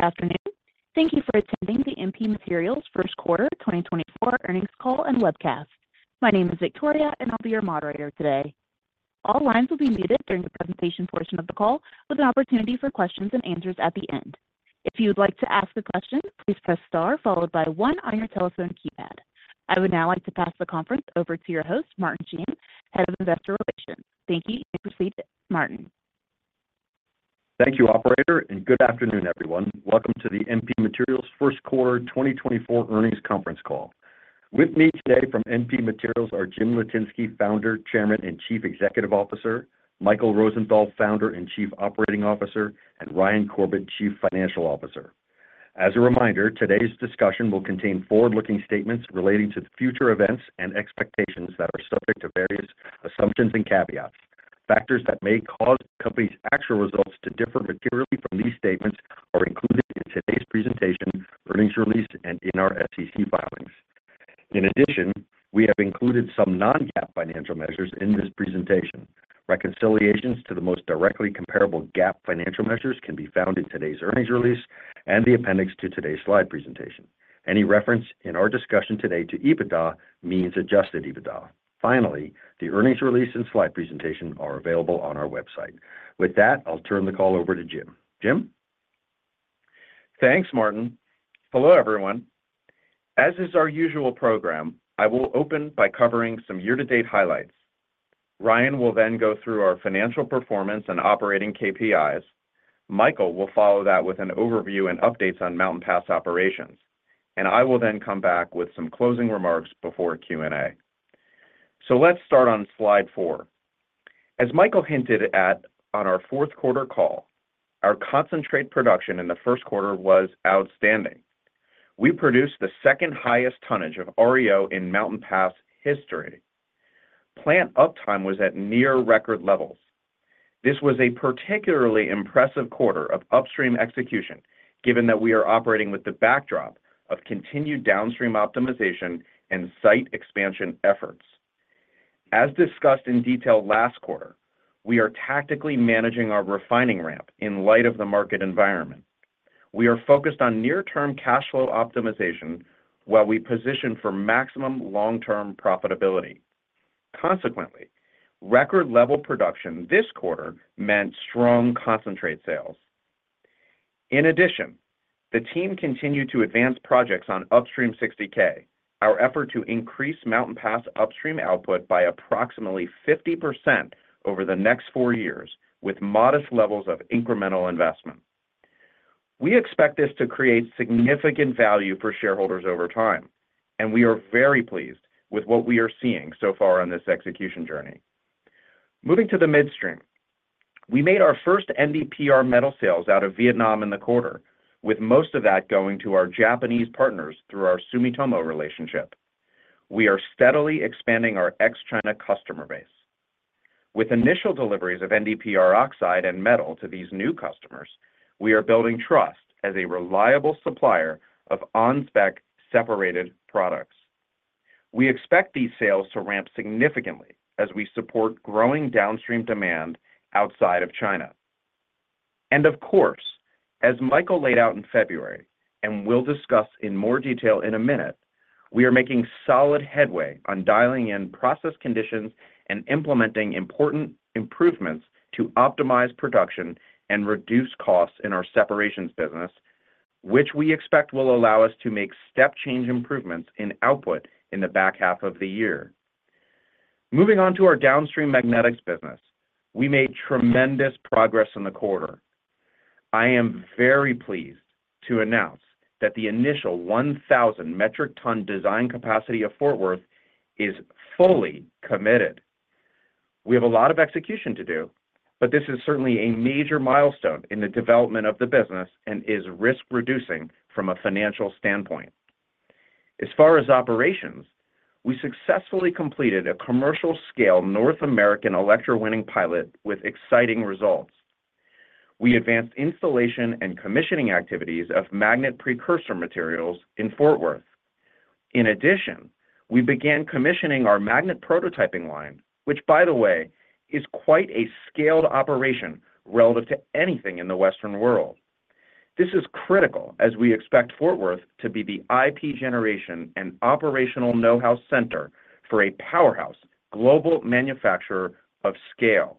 Good afternoon. Thank you for attending the MP Materials Q1 2024 Earnings Call and Webcast. My name is Victoria, and I'll be your moderator today. All lines will be muted during the presentation portion of the call, with an opportunity for questions and answers at the end. If you would like to ask a question, please press star followed by 1 on your telephone keypad. I would now like to pass the conference over to your host, Martin Sheehan, head of Investor Relations. Thank you, and you proceed, Martin. Thank you, operator, and good afternoon, everyone. Welcome to the MP Materials Q1 2024 earnings conference call. With me today from MP Materials are Jim Litinsky, Founder, Chairman, and Chief Executive Officer; Michael Rosenthal, Founder and Chief Operating Officer; and Ryan Corbett, Chief Financial Officer. As a reminder, today's discussion will contain forward-looking statements relating to future events and expectations that are subject to various assumptions and caveats. Factors that may cause the company's actual results to differ materially from these statements are included in today's presentation, earnings release, and in our SEC filings. In addition, we have included some non-GAAP financial measures in this presentation. Reconciliations to the most directly comparable GAAP financial measures can be found in today's earnings release and the appendix to today's slide presentation. Any reference in our discussion today to EBITDA means adjusted EBITDA. Finally, the earnings release and slide presentation are available on our website. With that, I'll turn the call over to Jim. Jim? Thanks, Martin. Hello, everyone. As is our usual program, I will open by covering some year-to-date highlights. Ryan will then go through our financial performance and operating KPIs. Michael will follow that with an overview and updates on Mountain Pass operations. I will then come back with some closing remarks before Q&A. Let's start on slide 4. As Michael hinted at on our Q4 call, our concentrate production in the Q1 was outstanding. We produced the second-highest tonnage of REO in Mountain Pass history. Plant uptime was at near-record levels. This was a particularly impressive quarter of upstream execution, given that we are operating with the backdrop of continued downstream optimization and site expansion efforts. As discussed in detail last quarter, we are tactically managing our refining ramp in light of the market environment. We are focused on near-term cash flow optimization while we position for maximum long-term profitability. Consequently, record-level production this quarter meant strong concentrate sales. In addition, the team continued to advance projects on Upstream 60K, our effort to increase Mountain Pass upstream output by approximately 50% over the next four years, with modest levels of incremental investment. We expect this to create significant value for shareholders over time, and we are very pleased with what we are seeing so far on this execution journey. Moving to the midstream, we made our first NdPr metal sales out of Vietnam in the quarter, with most of that going to our Japanese partners through our Sumitomo relationship. We are steadily expanding our ex-China customer base. With initial deliveries of NdPr oxide and metal to these new customers, we are building trust as a reliable supplier of on-spec separated products. We expect these sales to ramp significantly as we support growing downstream demand outside of China. And of course, as Michael laid out in February and will discuss in more detail in a minute, we are making solid headway on dialing in process conditions and implementing important improvements to optimize production and reduce costs in our separations business, which we expect will allow us to make step-change improvements in output in the back half of the year. Moving on to our downstream magnetics business, we made tremendous progress in the quarter. I am very pleased to announce that the initial 1,000 metric ton design capacity of Fort Worth is fully committed. We have a lot of execution to do, but this is certainly a major milestone in the development of the business and is risk-reducing from a financial standpoint. As far as operations, we successfully completed a commercial-scale North American electrowinning pilot with exciting results. We advanced installation and commissioning activities of magnet precursor materials in Fort Worth. In addition, we began commissioning our magnet prototyping line, which, by the way, is quite a scaled operation relative to anything in the Western world. This is critical as we expect Fort Worth to be the IP generation and operational know-how center for a powerhouse global manufacturer of scale.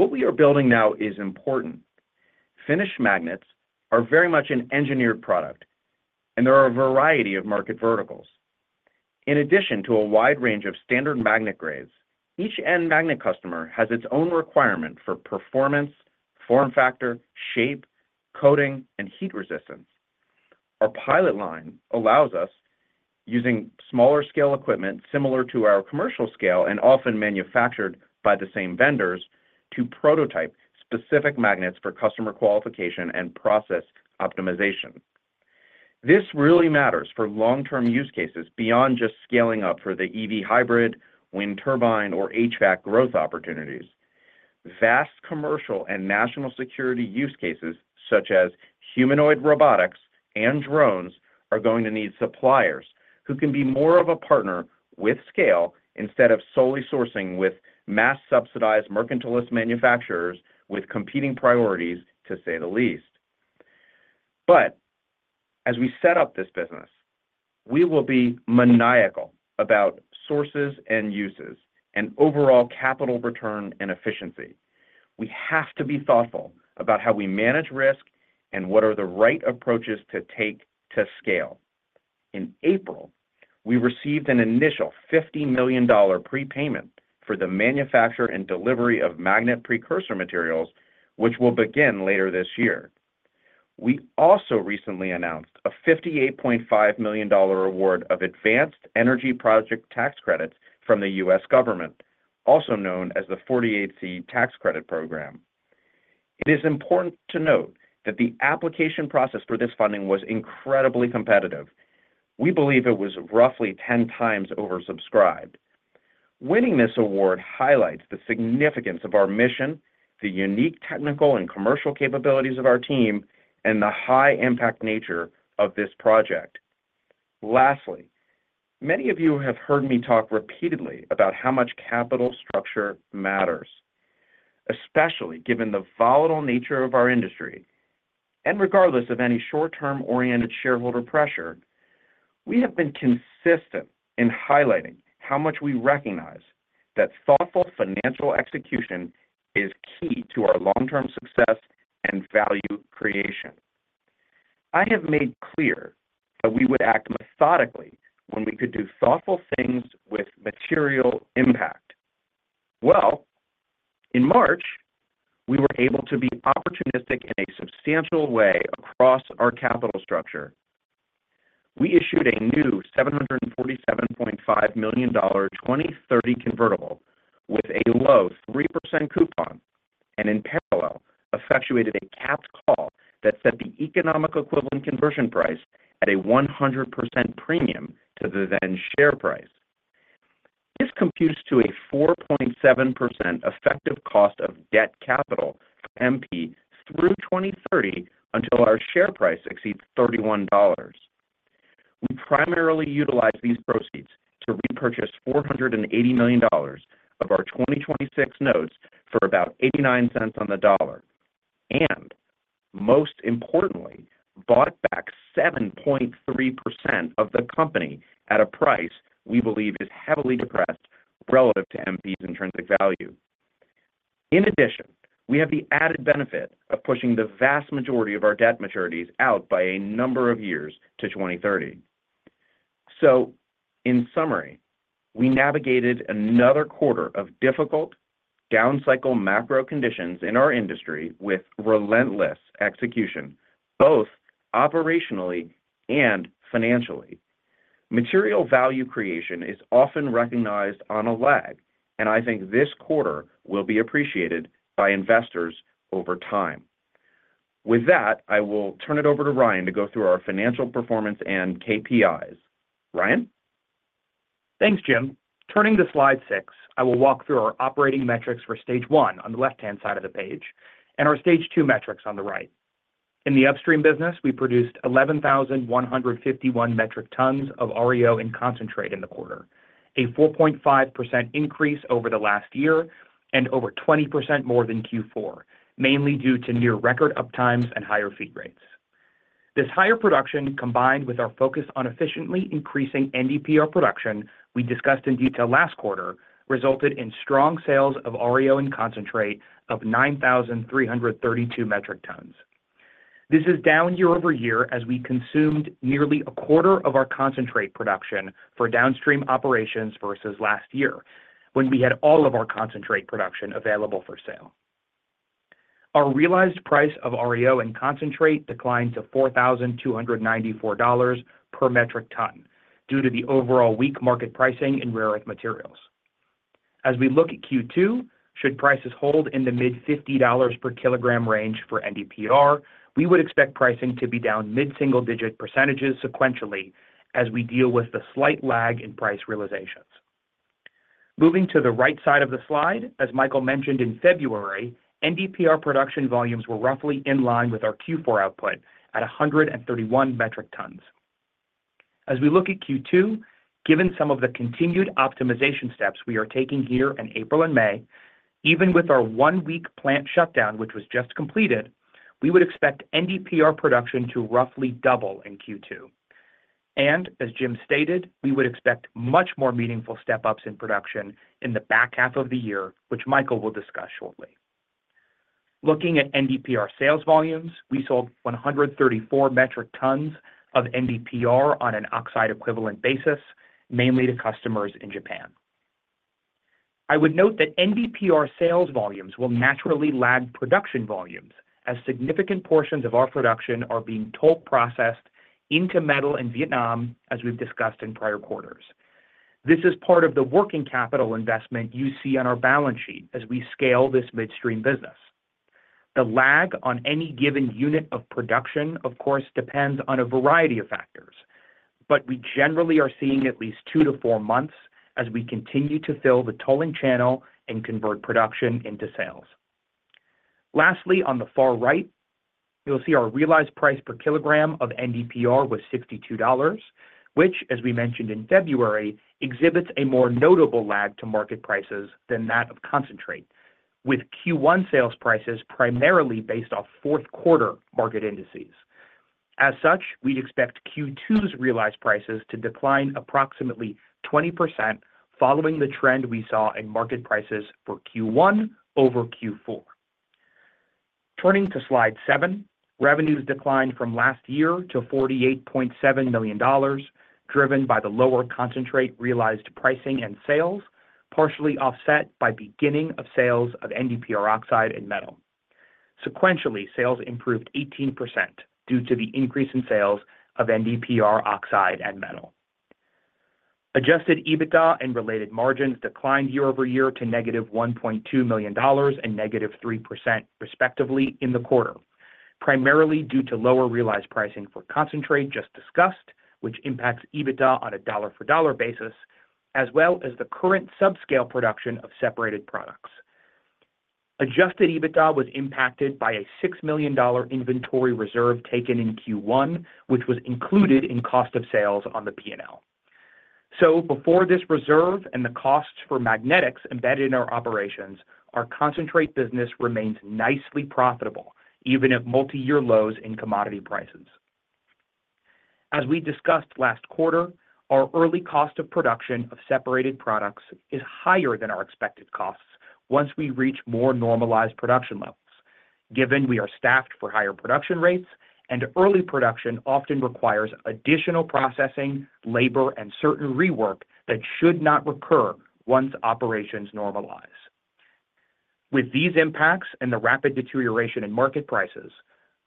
What we are building now is important. Finished magnets are very much an engineered product, and there are a variety of market verticals. In addition to a wide range of standard magnet grades, each end magnet customer has its own requirement for performance, form factor, shape, coating, and heat resistance. Our pilot line allows us, using smaller-scale equipment similar to our commercial scale and often manufactured by the same vendors, to prototype specific magnets for customer qualification and process optimization. This really matters for long-term use cases beyond just scaling up for the EV hybrid, wind turbine, or HVAC growth opportunities. Vast commercial and national security use cases, such as humanoid robotics and drones, are going to need suppliers who can be more of a partner with scale instead of solely sourcing with mass-subsidized mercantilist manufacturers with competing priorities, to say the least. But as we set up this business, we will be maniacal about sources and uses and overall capital return and efficiency. We have to be thoughtful about how we manage risk and what are the right approaches to take to scale. In April, we received an initial $50 million prepayment for the manufacture and delivery of magnet precursor materials, which will begin later this year. We also recently announced a $58.5 million award of advanced energy project tax credits from the U.S. government, also known as the 48C Tax Credit Program. It is important to note that the application process for this funding was incredibly competitive. We believe it was roughly 10 times oversubscribed. Winning this award highlights the significance of our mission, the unique technical and commercial capabilities of our team, and the high-impact nature of this project. Lastly, many of you have heard me talk repeatedly about how much capital structure matters, especially given the volatile nature of our industry. Regardless of any short-term-oriented shareholder pressure, we have been consistent in highlighting how much we recognize that thoughtful financial execution is key to our long-term success and value creation. I have made clear that we would act methodically when we could do thoughtful things with material impact. Well, in March, we were able to be opportunistic in a substantial way across our capital structure. We issued a new $747.5 million 2030 convertible with a low 3% coupon and, in parallel, effectuated a capped call that set the economic equivalent conversion price at a 100% premium to the then-share price. This computes to a 4.7% effective cost of debt capital for MP through 2030 until our share price exceeds $31. We primarily utilized these proceeds to repurchase $480 million of our 2026 notes for about $0.89 on the dollar and, most importantly, bought back 7.3% of the company at a price we believe is heavily depressed relative to MP's intrinsic value. In addition, we have the added benefit of pushing the vast majority of our debt maturities out by a number of years to 2030. In summary, we navigated another quarter of difficult downcycle macro conditions in our industry with relentless execution, both operationally and financially. Material value creation is often recognized on a lag, and I think this quarter will be appreciated by investors over time. With that, I will turn it over to Ryan to go through our financial performance and KPIs. Ryan? Thanks, Jim. Turning to slide 6, I will walk through our operating metrics for Stage I on the left-hand side of the page and our Stage II metrics on the right. In the upstream business, we produced 11,151 metric tons of REO in concentrate in the quarter, a 4.5% increase over the last year and over 20% more than Q4, mainly due to near-record uptimes and higher feed rates. This higher production, combined with our focus on efficiently increasing NdPr production we discussed in detail last quarter, resulted in strong sales of REO in concentrate of 9,332 metric tons. This is down year-over-year as we consumed nearly a quarter of our concentrate production for downstream operations versus last year, when we had all of our concentrate production available for sale. Our realized price of REO in concentrate declined to $4,294 per metric ton due to the overall weak market pricing in rare earth materials. As we look at Q2, should prices hold in the mid-$50 per kilogram range for NdPr, we would expect pricing to be down mid-single-digit percentages sequentially as we deal with the slight lag in price realizations. Moving to the right side of the slide, as Michael mentioned in February, NdPr production volumes were roughly in line with our Q4 output at 131 metric tons. As we look at Q2, given some of the continued optimization steps we are taking here in April and May, even with our one-week plant shutdown, which was just completed, we would expect NdPr production to roughly double in Q2. As Jim stated, we would expect much more meaningful step-ups in production in the back half of the year, which Michael will discuss shortly. Looking at NdPr sales volumes, we sold 134 metric tons of NdPr on an oxide equivalent basis, mainly to customers in Japan. I would note that NdPr sales volumes will naturally lag production volumes as significant portions of our production are being toll-processed into metal in Vietnam, as we've discussed in prior quarters. This is part of the working capital investment you see on our balance sheet as we scale this midstream business. The lag on any given unit of production, of course, depends on a variety of factors, but we generally are seeing at least 2-4 months as we continue to fill the tolling channel and convert production into sales. Lastly, on the far right, you'll see our realized price per kilogram of NdPr was $62, which, as we mentioned in February, exhibits a more notable lag to market prices than that of concentrate, with Q1 sales prices primarily based off Q4 market indices. As such, we'd expect Q2's realized prices to decline approximately 20% following the trend we saw in market prices for Q1 over Q4. Turning to slide 7, revenues declined from last year to $48.7 million, driven by the lower concentrate realized pricing and sales, partially offset by beginning of sales of NdPr oxide and metal. Sequentially, sales improved 18% due to the increase in sales of NdPr oxide and metal. Adjusted EBITDA and related margins declined year over year to negative $1.2 million and negative 3%, respectively, in the quarter, primarily due to lower realized pricing for concentrate just discussed, which impacts EBITDA on a dollar-for-dollar basis, as well as the current subscale production of separated products. Adjusted EBITDA was impacted by a $6 million inventory reserve taken in Q1, which was included in cost of sales on the P&L. So, before this reserve and the costs for magnetics embedded in our operations, our concentrate business remains nicely profitable, even at multi-year lows in commodity prices. As we discussed last quarter, our early cost of production of separated products is higher than our expected costs once we reach more normalized production levels, given we are staffed for higher production rates and early production often requires additional processing, labor, and certain rework that should not recur once operations normalize. With these impacts and the rapid deterioration in market prices,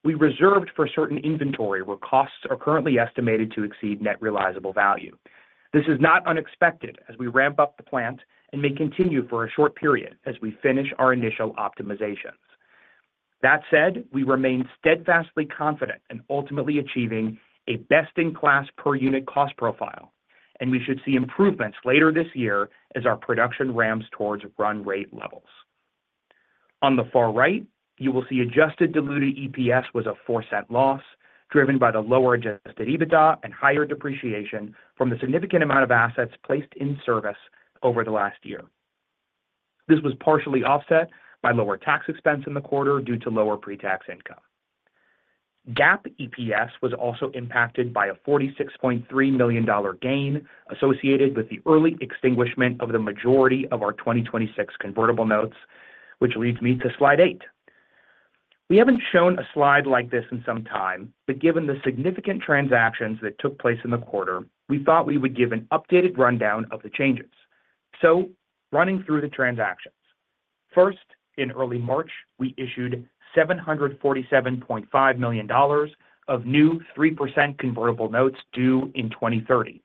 we reserved for certain inventory where costs are currently estimated to exceed net realizable value. This is not unexpected as we ramp up the plant and may continue for a short period as we finish our initial optimizations. That said, we remain steadfastly confident in ultimately achieving a best-in-class per-unit cost profile, and we should see improvements later this year as our production ramps towards run rate levels. On the far right, you will see adjusted diluted EPS was a $0.04 loss, driven by the lower adjusted EBITDA and higher depreciation from the significant amount of assets placed in service over the last year. This was partially offset by lower tax expense in the quarter due to lower pre-tax income. GAAP EPS was also impacted by a $46.3 million gain associated with the early extinguishment of the majority of our 2026 convertible notes, which leads me to slide 8. We haven't shown a slide like this in some time, but given the significant transactions that took place in the quarter, we thought we would give an updated rundown of the changes. So, running through the transactions. First, in early March, we issued $747.5 million of new 3% convertible notes due in 2030,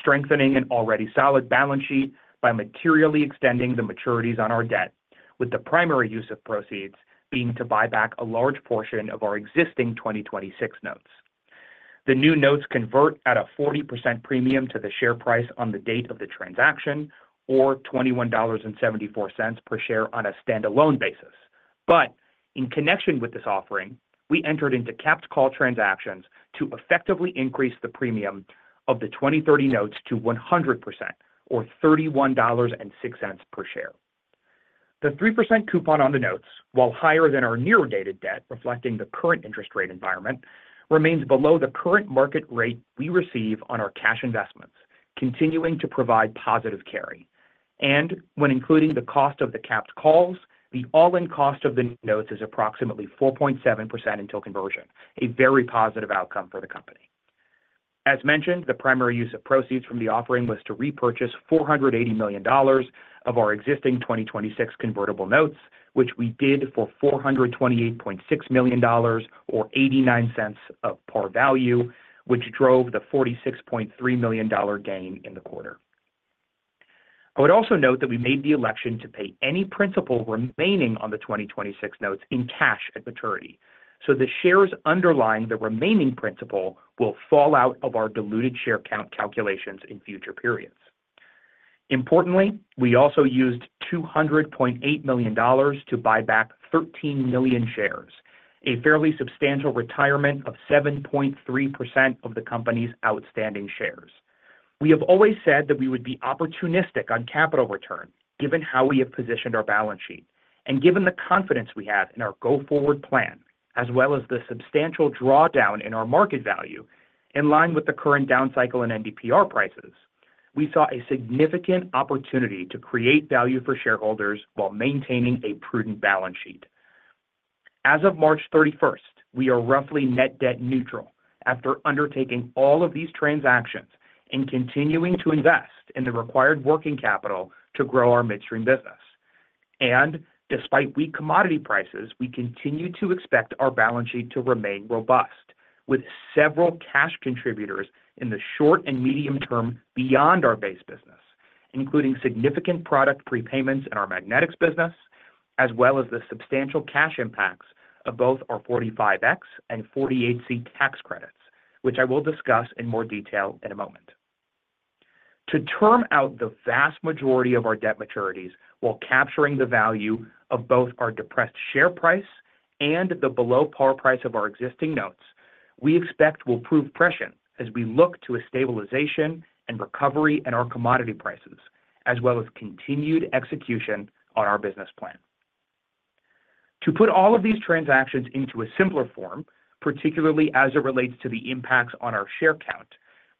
strengthening an already solid balance sheet by materially extending the maturities on our debt, with the primary use of proceeds being to buy back a large portion of our existing 2026 notes. The new notes convert at a 40% premium to the share price on the date of the transaction, or $21.74 per share on a standalone basis. In connection with this offering, we entered into capped call transactions to effectively increase the premium of the 2030 notes to 100%, or $31.06 per share. The 3% coupon on the notes, while higher than our near-dated debt reflecting the current interest rate environment, remains below the current market rate we receive on our cash investments, continuing to provide positive carry. When including the cost of the capped calls, the all-in cost of the notes is approximately 4.7% until conversion, a very positive outcome for the company. As mentioned, the primary use of proceeds from the offering was to repurchase $480 million of our existing 2026 convertible notes, which we did for $428.6 million, or $0.89 of par value, which drove the $46.3 million gain in the quarter. I would also note that we made the election to pay any principal remaining on the 2026 notes in cash at maturity, so the shares underlying the remaining principal will fall out of our diluted share count calculations in future periods. Importantly, we also used $200.8 million to buy back 13 million shares, a fairly substantial retirement of 7.3% of the company's outstanding shares. We have always said that we would be opportunistic on capital return, given how we have positioned our balance sheet, and given the confidence we have in our go-forward plan, as well as the substantial drawdown in our market value in line with the current downcycle in NdPr prices, we saw a significant opportunity to create value for shareholders while maintaining a prudent balance sheet. As of March 31st, we are roughly net debt neutral after undertaking all of these transactions and continuing to invest in the required working capital to grow our midstream business. Despite weak commodity prices, we continue to expect our balance sheet to remain robust, with several cash contributors in the short and medium term beyond our base business, including significant product prepayments in our magnetics business, as well as the substantial cash impacts of both our 45X and 48C tax credits, which I will discuss in more detail in a moment. To term out the vast majority of our debt maturities while capturing the value of both our depressed share price and the below par price of our existing notes, we expect we'll provide protection as we look to a stabilization and recovery in our commodity prices, as well as continued execution on our business plan. To put all of these transactions into a simpler form, particularly as it relates to the impacts on our share count,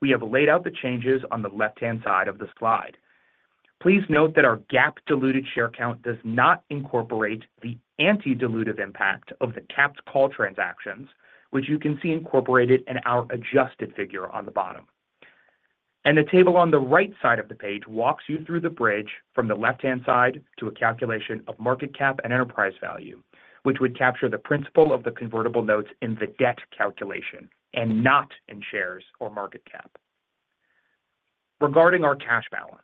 we have laid out the changes on the left-hand side of the slide. Please note that our GAAP diluted share count does not incorporate the anti-dilutive impact of the capped call transactions, which you can see incorporated in our adjusted figure on the bottom. The table on the right side of the page walks you through the bridge from the left-hand side to a calculation of market cap and enterprise value, which would capture the principal of the convertible notes in the debt calculation and not in shares or market cap. Regarding our cash balance,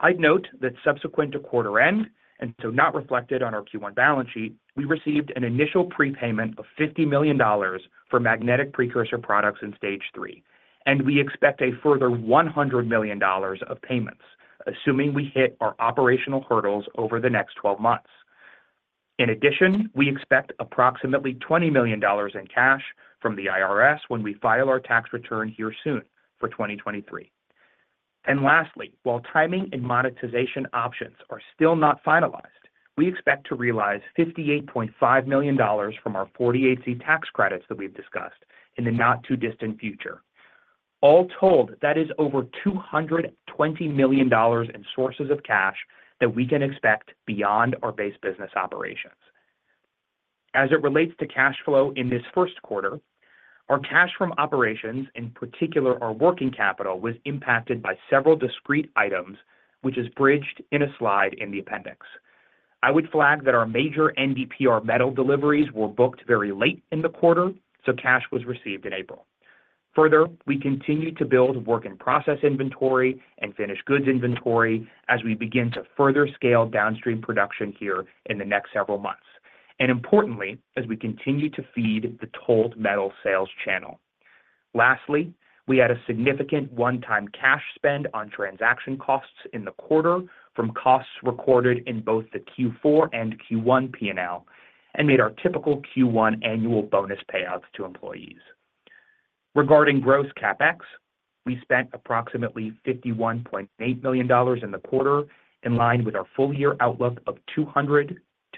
I'd note that subsequent to quarter end, and so not reflected on our Q1 balance sheet, we received an initial prepayment of $50 million for magnetic precursor products in Stage III, and we expect a further $100 million of payments, assuming we hit our operational hurdles over the next 12 months. In addition, we expect approximately $20 million in cash from the IRS when we file our tax return here soon for 2023. And lastly, while timing and monetization options are still not finalized, we expect to realize $58.5 million from our 48C tax credits that we've discussed in the not-too-distant future. All told, that is over $220 million in sources of cash that we can expect beyond our base business operations. As it relates to cash flow in this Q1, our cash from operations, in particular our working capital, was impacted by several discrete items, which is bridged in a slide in the appendix. I would flag that our major NdPr metal deliveries were booked very late in the quarter, so cash was received in April. Further, we continue to build work-in-process inventory and finished goods inventory as we begin to further scale downstream production here in the next several months, and importantly, as we continue to feed the tolled metal sales channel. Lastly, we had a significant one-time cash spend on transaction costs in the quarter from costs recorded in both the Q4 and Q1 P&L and made our typical Q1 annual bonus payouts to employees. Regarding gross CapEx, we spent approximately $51.8 million in the quarter in line with our full-year outlook of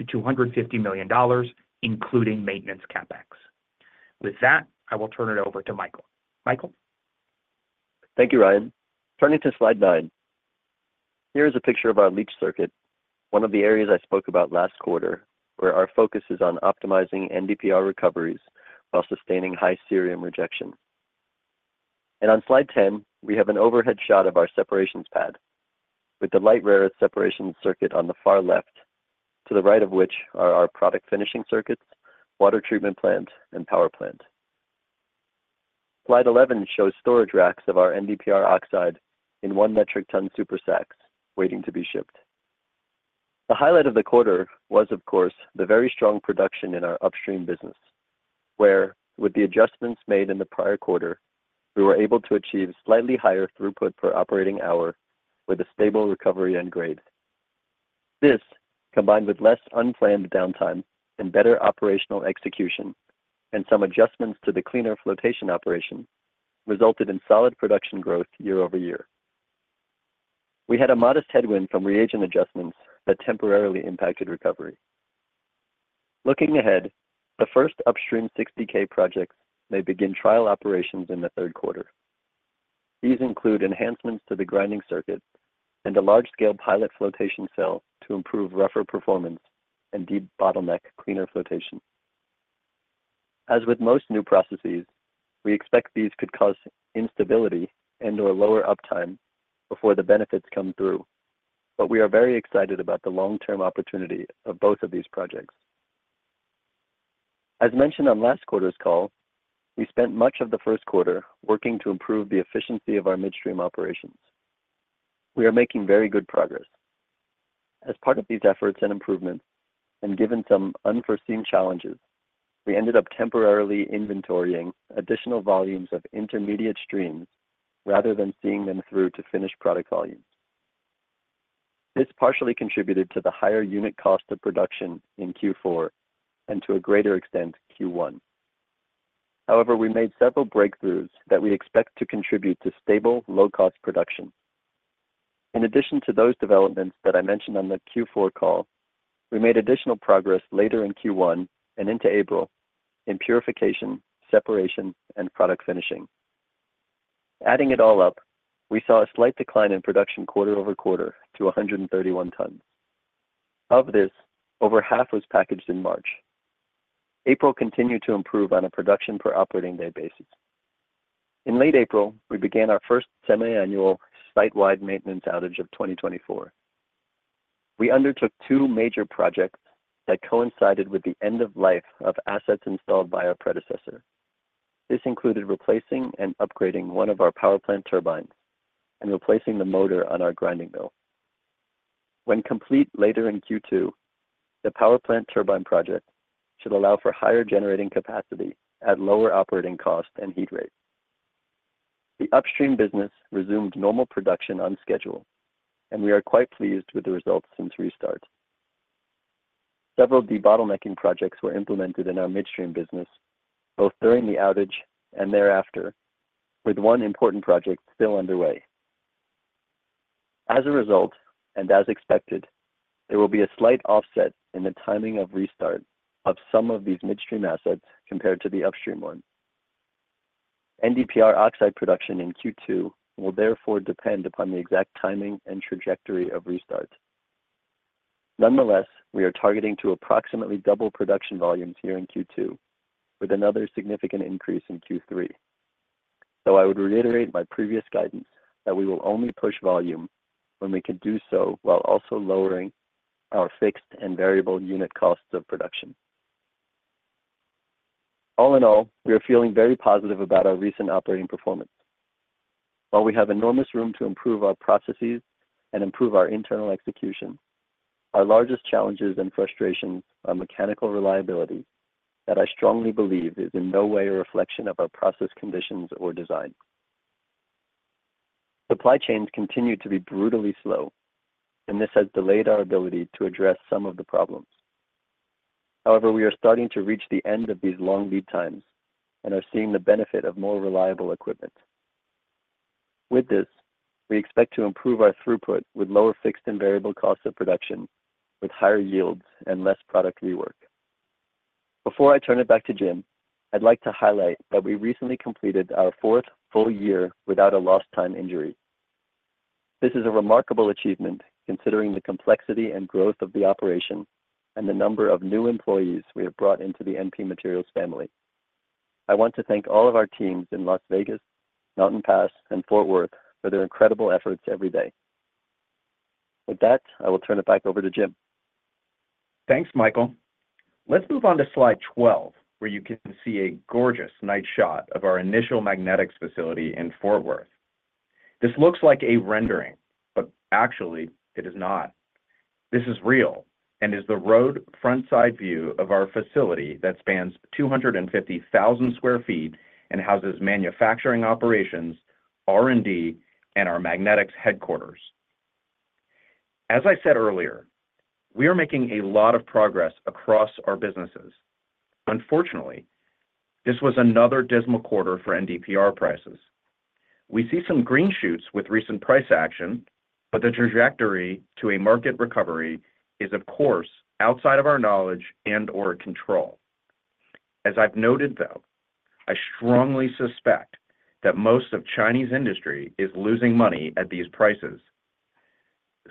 $200-$250 million, including maintenance CapEx. With that, I will turn it over to Michael. Michael? Thank you, Ryan. Turning to slide 9, here is a picture of our leach circuit, one of the areas I spoke about last quarter, where our focus is on optimizing NdPr recoveries while sustaining high cerium rejection. On slide 10, we have an overhead shot of our separations pad, with the light rare earth separations circuit on the far left, to the right of which are our product finishing circuits, water treatment plant, and power plant. Slide 11 shows storage racks of our NdPr oxide in 1-metric-ton super sacks waiting to be shipped. The highlight of the quarter was, of course, the very strong production in our upstream business, where, with the adjustments made in the prior quarter, we were able to achieve slightly higher throughput per operating hour with a stable recovery end grade. This, combined with less unplanned downtime and better operational execution and some adjustments to the cleaner flotation operation, resulted in solid production growth year-over-year. We had a modest headwind from reagent adjustments that temporarily impacted recovery. Looking ahead, the first Upstream 60K projects may begin trial operations in the Q3. These include enhancements to the grinding circuit and a large-scale pilot flotation cell to improve rougher performance and deep bottleneck cleaner flotation. As with most new processes, we expect these could cause instability and/or lower uptime before the benefits come through, but we are very excited about the long-term opportunity of both of these projects. As mentioned on last quarter's call, we spent much of the Q1 working to improve the efficiency of our midstream operations. We are making very good progress. As part of these efforts and improvements, and given some unforeseen challenges, we ended up temporarily inventorying additional volumes of intermediate streams rather than seeing them through to finished product volumes. This partially contributed to the higher unit cost of production in Q4 and, to a greater extent, Q1. However, we made several breakthroughs that we expect to contribute to stable, low-cost production. In addition to those developments that I mentioned on the Q4 call, we made additional progress later in Q1 and into April in purification, separation, and product finishing. Adding it all up, we saw a slight decline in production quarter-over-quarter to 131 tons. Of this, over half was packaged in March. April continued to improve on a production-per-operating-day basis. In late April, we began our first semi-annual site-wide maintenance outage of 2024. We undertook two major projects that coincided with the end of life of assets installed by our predecessor. This included replacing and upgrading one of our power plant turbines and replacing the motor on our grinding mill. When complete later in Q2, the power plant turbine project should allow for higher generating capacity at lower operating cost and heat rate. The upstream business resumed normal production on schedule, and we are quite pleased with the results since restart. Several debottlenecking projects were implemented in our midstream business, both during the outage and thereafter, with one important project still underway. As a result, and as expected, there will be a slight offset in the timing of restart of some of these midstream assets compared to the upstream ones. NdPr oxide production in Q2 will therefore depend upon the exact timing and trajectory of restart. Nonetheless, we are targeting to approximately double production volumes here in Q2, with another significant increase in Q3, though I would reiterate my previous guidance that we will only push volume when we can do so while also lowering our fixed and variable unit costs of production. All in all, we are feeling very positive about our recent operating performance. While we have enormous room to improve our processes and improve our internal execution, our largest challenges and frustrations are mechanical reliability that I strongly believe is in no way a reflection of our process conditions or design. Supply chains continue to be brutally slow, and this has delayed our ability to address some of the problems. However, we are starting to reach the end of these long lead times and are seeing the benefit of more reliable equipment. With this, we expect to improve our throughput with lower fixed and variable costs of production, with higher yields and less product rework. Before I turn it back to Jim, I'd like to highlight that we recently completed our fourth full year without a lost-time injury. This is a remarkable achievement considering the complexity and growth of the operation and the number of new employees we have brought into the MP Materials family. I want to thank all of our teams in Las Vegas, Mountain Pass, and Fort Worth for their incredible efforts every day. With that, I will turn it back over to Jim. Thanks, Michael. Let's move on to slide 12, where you can see a gorgeous night shot of our initial magnetics facility in Fort Worth. This looks like a rendering, but actually, it is not. This is real and is the road frontside view of our facility that spans 250,000 sq ft and houses manufacturing operations, R&D, and our magnetics headquarters. As I said earlier, we are making a lot of progress across our businesses. Unfortunately, this was another dismal quarter for NdPr prices. We see some green shoots with recent price action, but the trajectory to a market recovery is, of course, outside of our knowledge and/or control. As I've noted, though, I strongly suspect that most of Chinese industry is losing money at these prices.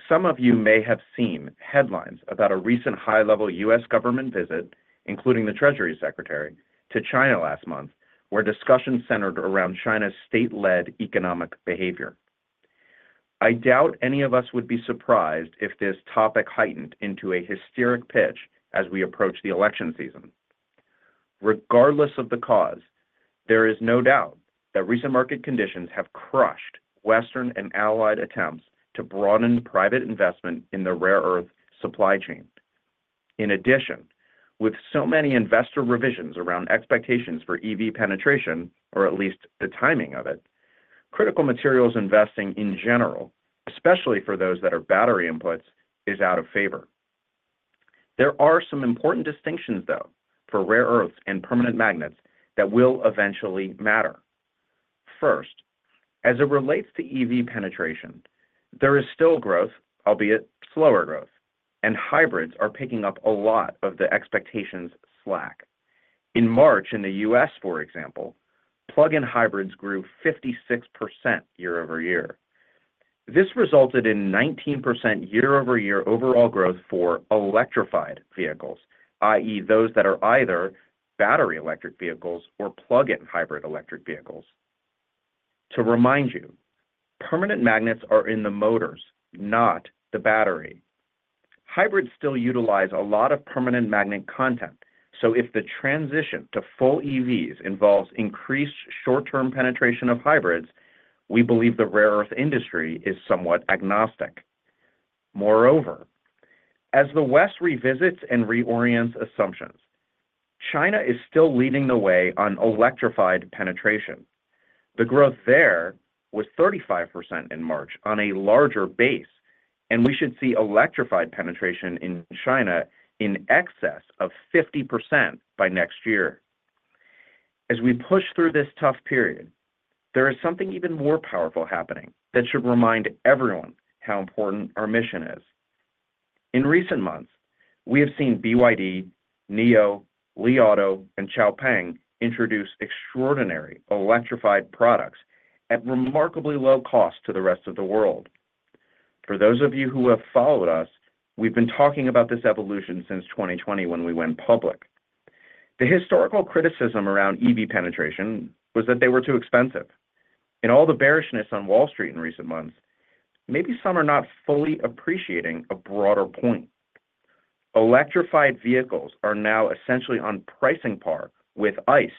Some of you may have seen headlines about a recent high-level U.S. Government visit, including the Treasury Secretary, to China last month, where discussions centered around China's state-led economic behavior. I doubt any of us would be surprised if this topic heightened into a hysterical pitch as we approach the election season. Regardless of the cause, there is no doubt that recent market conditions have crushed Western and allied attempts to broaden private investment in the rare earth supply chain. In addition, with so many investor revisions around expectations for EV penetration, or at least the timing of it, critical materials investing in general, especially for those that are battery inputs, is out of favor. There are some important distinctions, though, for rare earths and permanent magnets that will eventually matter. First, as it relates to EV penetration, there is still growth, albeit slower growth, and hybrids are picking up a lot of the expectations slack. In March in the U.S., for example, plug-in hybrids grew 56% year-over-year. This resulted in 19% year-over-year overall growth for electrified vehicles, i.e., those that are either battery electric vehicles or plug-in hybrid electric vehicles. To remind you, permanent magnets are in the motors, not the battery. Hybrids still utilize a lot of permanent magnet content, so if the transition to full EVs involves increased short-term penetration of hybrids, we believe the rare earth industry is somewhat agnostic. Moreover, as the West revisits and reorients assumptions, China is still leading the way on electrified penetration. The growth there was 35% in March on a larger base, and we should see electrified penetration in China in excess of 50% by next year. As we push through this tough period, there is something even more powerful happening that should remind everyone how important our mission is. In recent months, we have seen BYD, NIO, Li Auto, and XPeng introduce extraordinary electrified products at remarkably low cost to the rest of the world. For those of you who have followed us, we've been talking about this evolution since 2020 when we went public. The historical criticism around EV penetration was that they were too expensive. In all the bearishness on Wall Street in recent months, maybe some are not fully appreciating a broader point. Electrified vehicles are now essentially on pricing par with ICE,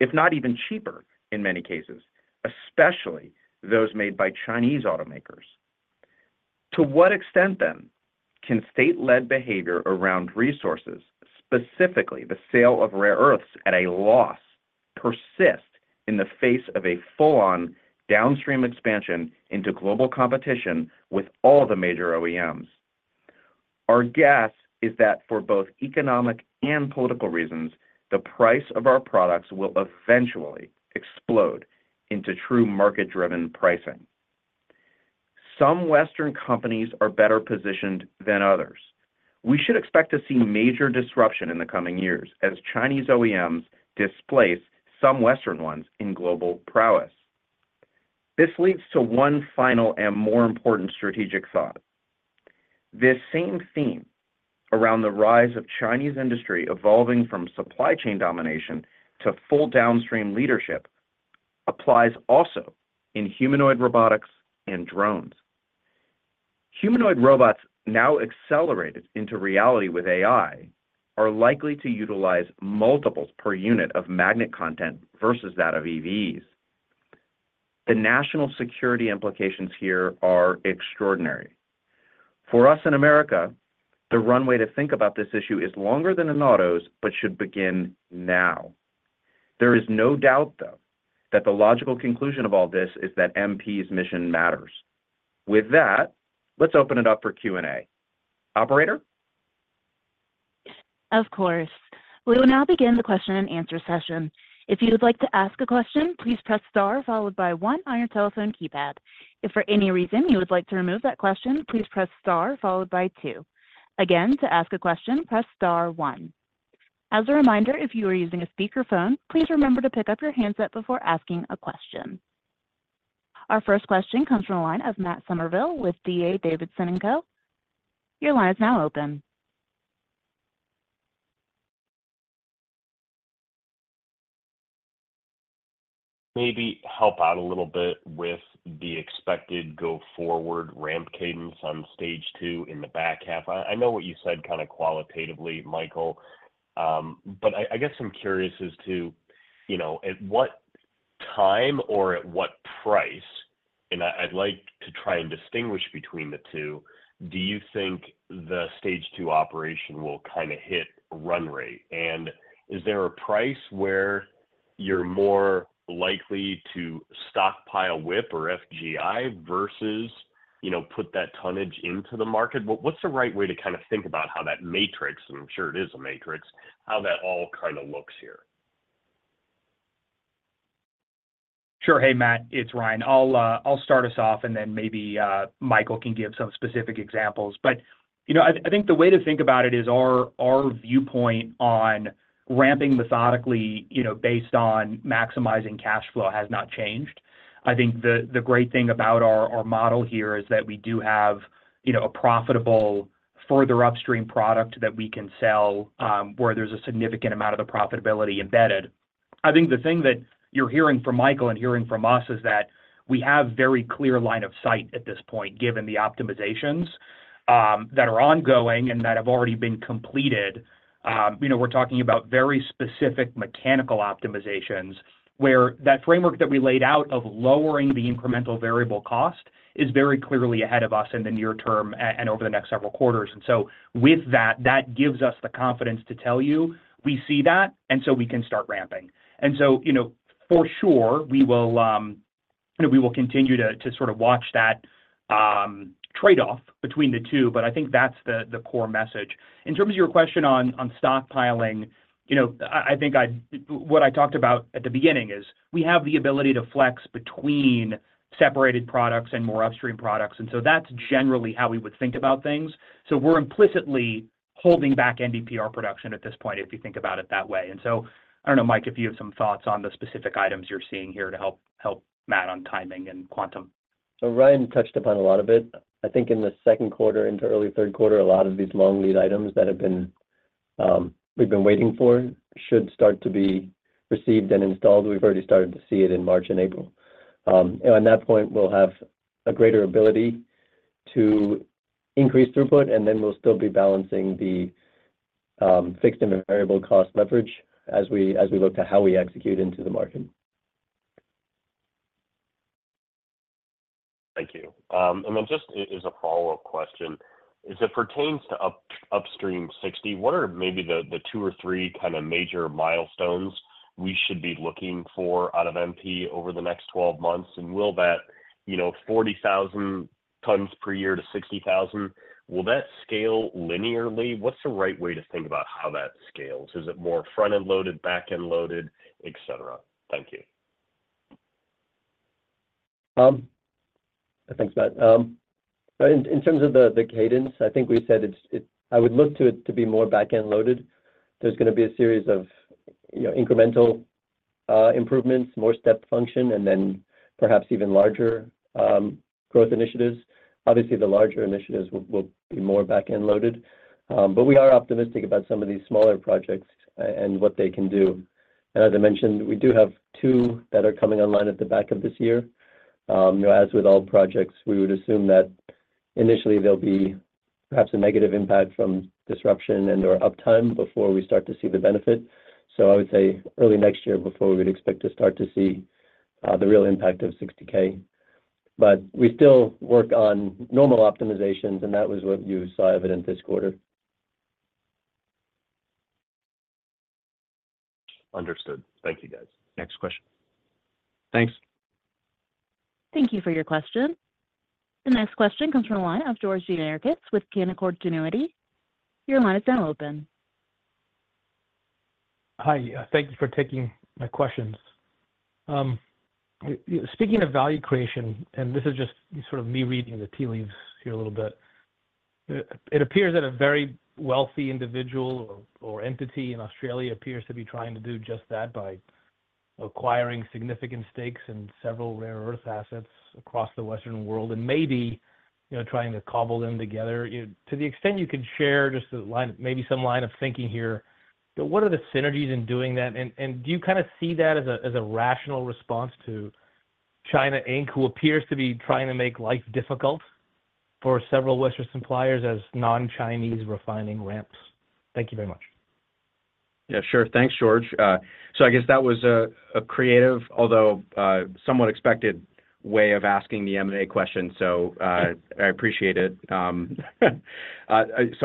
if not even cheaper in many cases, especially those made by Chinese automakers. To what extent, then, can state-led behavior around resources, specifically the sale of rare earths at a loss, persist in the face of a full-on downstream expansion into global competition with all the major OEMs? Our guess is that for both economic and political reasons, the price of our products will eventually explode into true market-driven pricing. Some Western companies are better positioned than others. We should expect to see major disruption in the coming years as Chinese OEMs displace some Western ones in global prowess. This leads to one final and more important strategic thought. This same theme around the rise of Chinese industry evolving from supply chain domination to full downstream leadership applies also in humanoid robotics and drones. Humanoid robots now accelerated into reality with AI are likely to utilize multiples per unit of magnet content versus that of EVs. The national security implications here are extraordinary. For us in America, the runway to think about this issue is longer than in autos but should begin now. There is no doubt, though, that the logical conclusion of all this is that MP's mission matters. With that, let's open it up for Q&A. Operator? Of course. We will now begin the question-and-answer session. If you would like to ask a question, please press star followed by 1 on your telephone keypad. If for any reason you would like to remove that question, please press star followed by 2. Again, to ask a question, press star 1. As a reminder, if you are using a speakerphone, please remember to pick up your handset before asking a question. Our first question comes from a line of Matt Summerville with DA Davidson & Co. Your line is now open. Maybe help out a little bit with the expected go-forward ramp cadence on stage two in the back half. I know what you said kind of qualitatively, Michael, but I guess I'm curious as to at what time or at what price - and I'd like to try and distinguish between the two - do you think the stage two operation will kind of hit run rate? And is there a price where you're more likely to stockpile WIP or FGI versus put that tonnage into the market? What's the right way to kind of think about how that matrix - and I'm sure it is a matrix - how that all kind of looks here? Sure. Hey, Matt. It's Ryan. I'll start us off, and then maybe Michael can give some specific examples. But I think the way to think about it is our viewpoint on ramping methodically based on maximizing cash flow has not changed. I think the great thing about our model here is that we do have a profitable further upstream product that we can sell where there's a significant amount of the profitability embedded. I think the thing that you're hearing from Michael and hearing from us is that we have a very clear line of sight at this point, given the optimizations that are ongoing and that have already been completed. We're talking about very specific mechanical optimizations where that framework that we laid out of lowering the incremental variable cost is very clearly ahead of us in the near term and over the next several quarters. And so with that, that gives us the confidence to tell you, "We see that, and so we can start ramping." And so for sure, we will continue to sort of watch that trade-off between the two, but I think that's the core message. In terms of your question on stockpiling, I think what I talked about at the beginning is we have the ability to flex between separated products and more upstream products, and so that's generally how we would think about things. So we're implicitly holding back NdPr production at this point, if you think about it that way. And so I don't know, Mike, if you have some thoughts on the specific items you're seeing here to help Matt on timing and quantum. So Ryan touched upon a lot of it. I think in the Q2 into early Q3, a lot of these long lead items that we've been waiting for should start to be received and installed. We've already started to see it in March and April. At that point, we'll have a greater ability to increase throughput, and then we'll still be balancing the fixed and variable cost leverage as we look to how we execute into the market. Thank you. And then just as a follow-up question, as it pertains to Upstream 60, what are maybe the 2 or 3 kind of major milestones we should be looking for out of MP over the next 12 months? And will that 40,000-60,000 tons per year, will that scale linearly? What's the right way to think about how that scales? Is it more front-end loaded, back-end loaded, etc.? Thank you. Thanks, Matt. In terms of the cadence, I think we said I would look to it to be more back-end loaded. There's going to be a series of incremental improvements, more step function, and then perhaps even larger growth initiatives. Obviously, the larger initiatives will be more back-end loaded. But we are optimistic about some of these smaller projects and what they can do. And as I mentioned, we do have 2 that are coming online at the back of this year. As with all projects, we would assume that initially, there'll be perhaps a negative impact from disruption and/or uptime before we start to see the benefit. So I would say early next year before we would expect to start to see the real impact of 60K. But we still work on normal optimizations, and that was what you saw evident this quarter. Understood. Thank you, guys. Next question. Thanks. Thank you for your question. The next question comes from a line of George Gianarikas with Canaccord Genuity. Your line is now open. Hi. Thank you for taking my questions. Speaking of value creation, and this is just sort of me reading the tea leaves here a little bit, it appears that a very wealthy individual or entity in Australia appears to be trying to do just that by acquiring significant stakes in several rare earth assets across the Western world and maybe trying to cobble them together. To the extent you could share just maybe some line of thinking here, what are the synergies in doing that? And do you kind of see that as a rational response to China Inc., who appears to be trying to make life difficult for several Western suppliers as non-Chinese refining ramps? Thank you very much. Yeah, sure. Thanks, George. So I guess that was a creative, although somewhat expected, way of asking the M&A question, so I appreciate it. So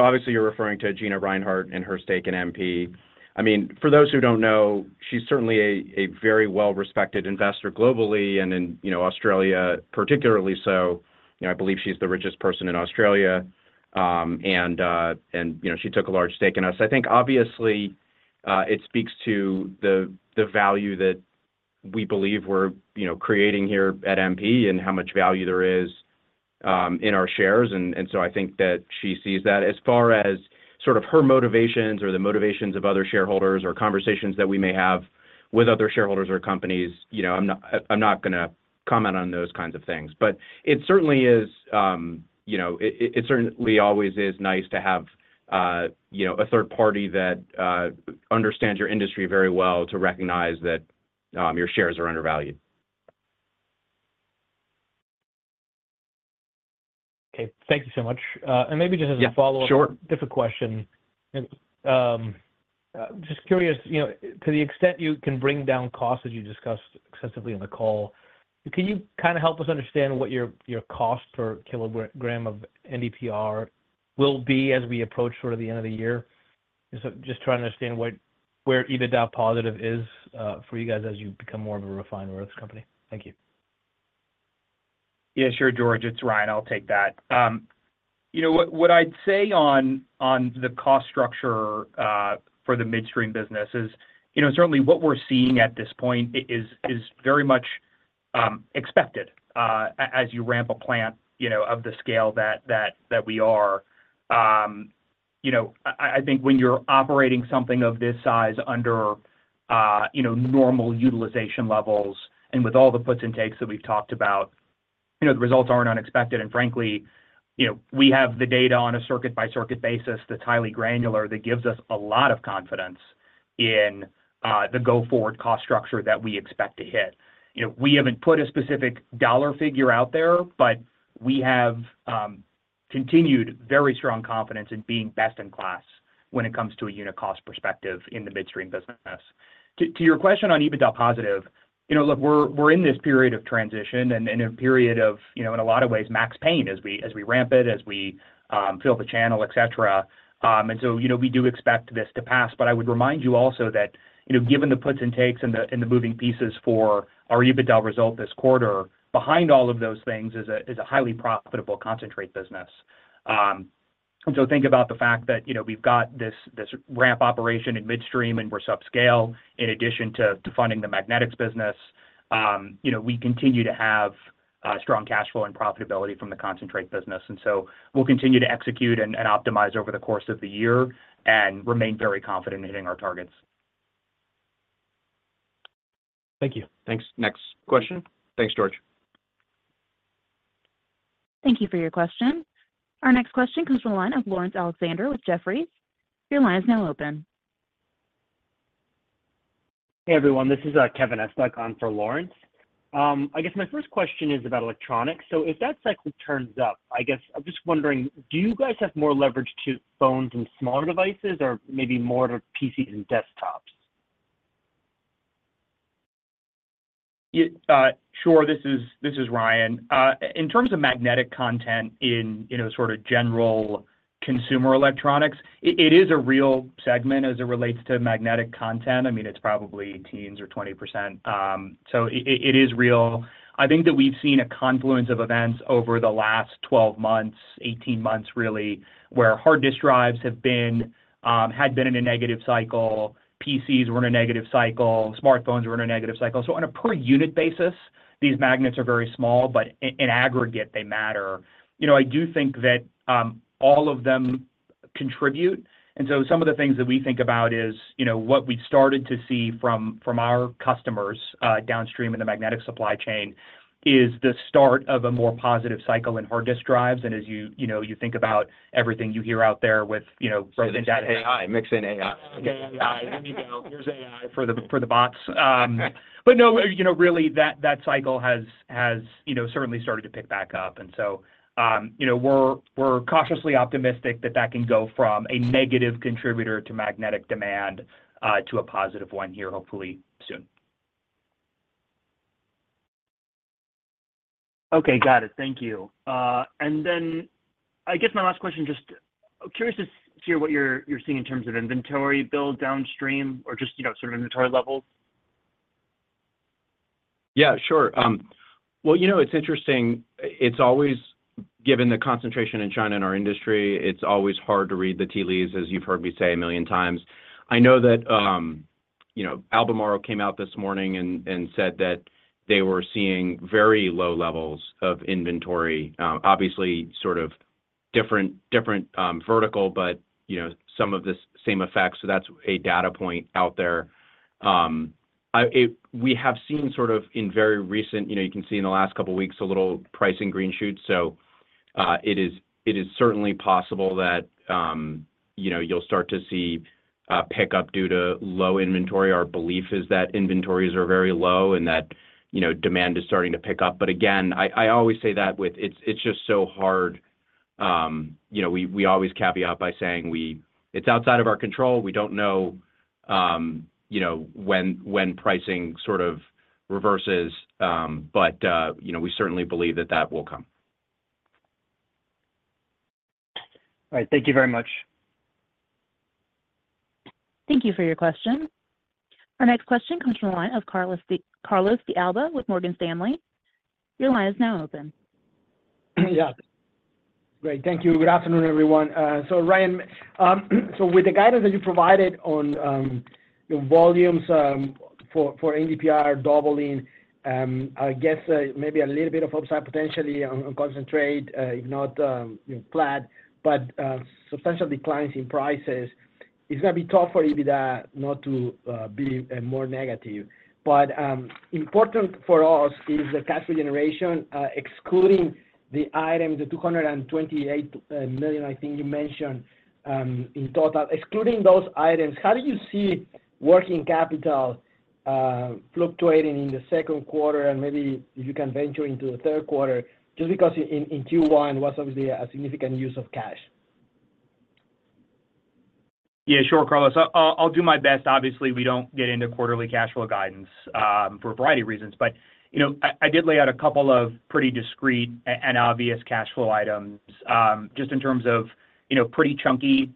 obviously, you're referring to Gina Rinehart and her stake in MP. I mean, for those who don't know, she's certainly a very well-respected investor globally and in Australia particularly so. I believe she's the richest person in Australia, and she took a large stake in us. I think obviously, it speaks to the value that we believe we're creating here at MP and how much value there is in our shares. And so I think that she sees that. As far as sort of her motivations or the motivations of other shareholders or conversations that we may have with other shareholders or companies, I'm not going to comment on those kinds of things. But it certainly always is nice to have a third party that understands your industry very well to recognize that your shares are undervalued. Okay. Thank you so much. And maybe just as a follow-up, different question. Just curious, to the extent you can bring down costs as you discussed extensively on the call, can you kind of help us understand what your cost per kilogram of NdPr will be as we approach sort of the end of the year? Just trying to understand where EBITDA positive is for you guys as you become more of a rare earths company. Thank you. Yeah, sure, George. It's Ryan. I'll take that. What I'd say on the cost structure for the midstream business is certainly what we're seeing at this point is very much expected as you ramp a plant of the scale that we are. I think when you're operating something of this size under normal utilization levels and with all the puts and takes that we've talked about, the results aren't unexpected. And frankly, we have the data on a circuit-by-circuit basis that's highly granular that gives us a lot of confidence in the go-forward cost structure that we expect to hit. We haven't put a specific dollar figure out there, but we have continued very strong confidence in being best in class when it comes to a unit cost perspective in the midstream business. To your question on EBITDA positive, look, we're in this period of transition and a period of, in a lot of ways, max pain as we ramp it, as we fill the channel, etc. And so we do expect this to pass. But I would remind you also that given the puts and takes and the moving pieces for our EBITDA result this quarter, behind all of those things is a highly profitable concentrate business. And so think about the fact that we've got this ramp operation in midstream, and we're subscale in addition to funding the magnetics business. We continue to have strong cash flow and profitability from the concentrate business. And so we'll continue to execute and optimize over the course of the year and remain very confident in hitting our targets. Thank you. Next question. Thanks, George. Thank you for your question. Our next question comes from a line of Laurence Alexander with Jefferies. Your line is now open. Hey, everyone. This is Kevin Estok on for Laurence. I guess my first question is about electronics. So if that cycle turns up, I guess I'm just wondering, do you guys have more leverage to phones and smaller devices or maybe more to PCs and desktops? Sure. This is Ryan. In terms of magnetic content in sort of general consumer electronics, it is a real segment as it relates to magnetic content. I mean, it's probably teens or 20%. So it is real. I think that we've seen a confluence of events over the last 12 months, 18 months, really, where hard disk drives had been in a negative cycle, PCs were in a negative cycle, smartphones were in a negative cycle. So on a per-unit basis, these magnets are very small, but in aggregate, they matter. I do think that all of them contribute. And so some of the things that we think about is what we've started to see from our customers downstream in the magnetic supply chain is the start of a more positive cycle in hard disk drives. And as you think about everything you hear out there with Mix in AI. Okay. AI. There you go. Here's AI for the bots. But no, really, that cycle has certainly started to pick back up. And so we're cautiously optimistic that that can go from a negative contributor to magnetic demand to a positive one here, hopefully soon. Okay. Got it. Thank you. And then I guess my last question, just curious to hear what you're seeing in terms of inventory build downstream or just sort of inventory levels. Yeah, sure. Well, it's interesting. Given the concentration in China in our industry, it's always hard to read the tea leaves, as you've heard me say a million times. I know that Albemarle came out this morning and said that they were seeing very low levels of inventory, obviously sort of different vertical, but some of the same effects. So that's a data point out there. We have seen sort of in very recent you can see in the last couple of weeks a little pricing green shoot. So it is certainly possible that you'll start to see pickup due to low inventory. Our belief is that inventories are very low and that demand is starting to pick up. But again, I always say that with it's just so hard. We always caveat by saying it's outside of our control. We don't know when pricing sort of reverses, but we certainly believe that that will come. All right. Thank you very much. Thank you for your question. Our next question comes from a line of Carlos de Alba with Morgan Stanley. Your line is now open. Yeah. Great. Thank you. Good afternoon, everyone. So Ryan, so with the guidance that you provided on volumes for NdPr doubling, I guess maybe a little bit of upside potentially on concentrate, if not flat, but substantial declines in prices, it's going to be tough for EBITDA not to be more negative. But important for us is the cash generation, excluding the items, the $228 million, I think you mentioned in total. Excluding those items, how do you see working capital fluctuating in the Q2 and maybe if you can venture into the Q3 just because in Q1 was obviously a significant use of cash? Yeah, sure, Carlos. I'll do my best. Obviously, we don't get into quarterly cash flow guidance for a variety of reasons, but I did lay out a couple of pretty discrete and obvious cash flow items just in terms of pretty chunky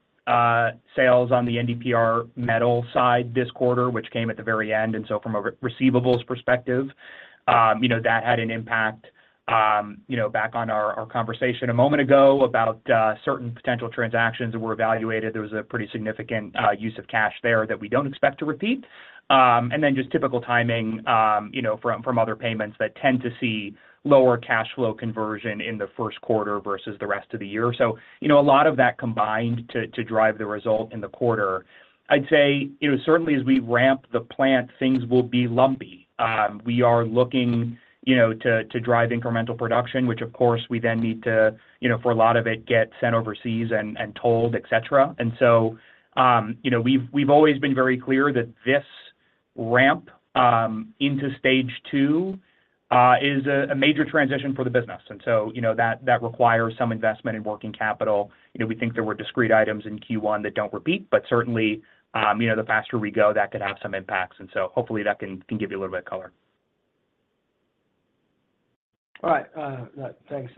sales on the NdPr metal side this quarter, which came at the very end. And so from a receivables perspective, that had an impact back on our conversation a moment ago about certain potential transactions that were evaluated. There was a pretty significant use of cash there that we don't expect to repeat. And then just typical timing from other payments that tend to see lower cash flow conversion in the Q1 versus the rest of the year. So a lot of that combined to drive the result in the quarter. I'd say certainly, as we ramp the plant, things will be lumpy. We are looking to drive incremental production, which, of course, we then need to, for a lot of it, get sent overseas and tolled, etc. And so we've always been very clear that this ramp into stage two is a major transition for the business. And so that requires some investment in working capital. We think there were discrete items in Q1 that don't repeat, but certainly, the faster we go, that could have some impacts. And so hopefully, that can give you a little bit of color. All right. Thanks.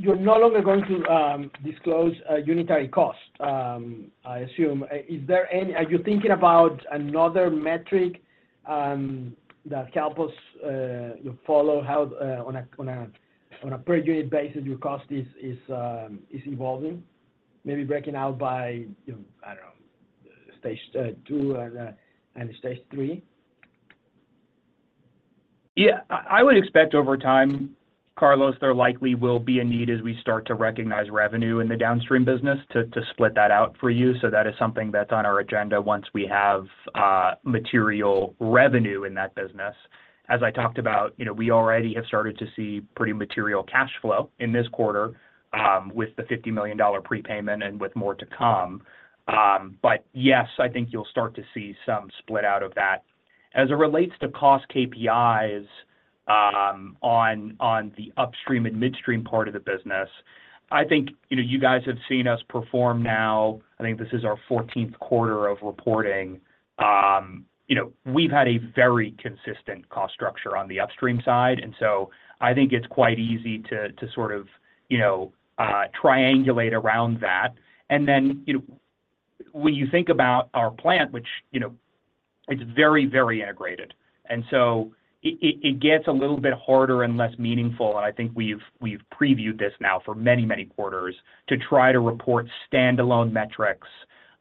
You're no longer going to disclose unit cost, I assume. Are you thinking about another metric that helps us follow how on a per-unit basis, your cost is evolving, maybe breaking out by, I don't know, stage two and stage three? Yeah. I would expect over time, Carlos, there likely will be a need as we start to recognize revenue in the downstream business to split that out for you. So that is something that's on our agenda once we have material revenue in that business. As I talked about, we already have started to see pretty material cash flow in this quarter with the $50 million prepayment and with more to come. But yes, I think you'll start to see some split out of that. As it relates to cost KPIs on the upstream and midstream part of the business, I think you guys have seen us perform now. I think this is our Q14 of reporting. We've had a very consistent cost structure on the upstream side. And so I think it's quite easy to sort of triangulate around that. And then when you think about our plant, which is very, very integrated, and so it gets a little bit harder and less meaningful. And I think we've previewed this now for many, many quarters to try to report standalone metrics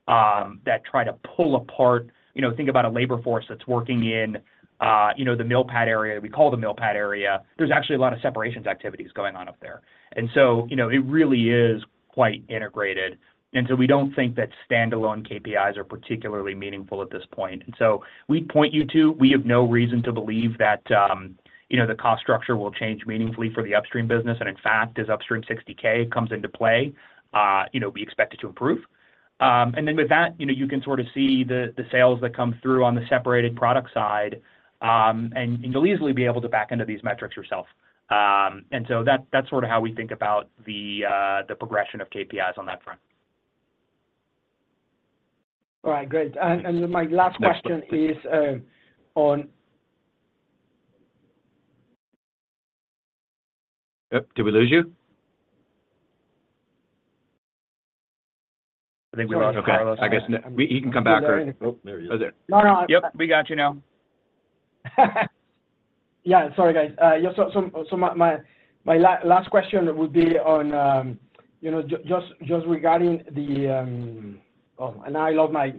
that try to pull apart, think about a labor force that's working in the Mill Pad area. We call it the Mill Pad area. There's actually a lot of separations activities going on up there. And so it really is quite integrated. And so we don't think that standalone KPIs are particularly meaningful at this point. And so we point you to. We have no reason to believe that the cost structure will change meaningfully for the upstream business. And in fact, as Upstream 60K comes into play, we expect it to improve. And then with that, you can sort of see the sales that come through on the separated product side, and you'll easily be able to back into these metrics yourself. So that's sort of how we think about the progression of KPIs on that front. All right. Great. And my last question is on. Yep. Did we lose you? I think we lost Carlos. I guess he can come back or. No, no. Oh, there. Yep. We got you now. Yeah. Sorry, guys. So my last question would be on just regarding the oh, and I lost my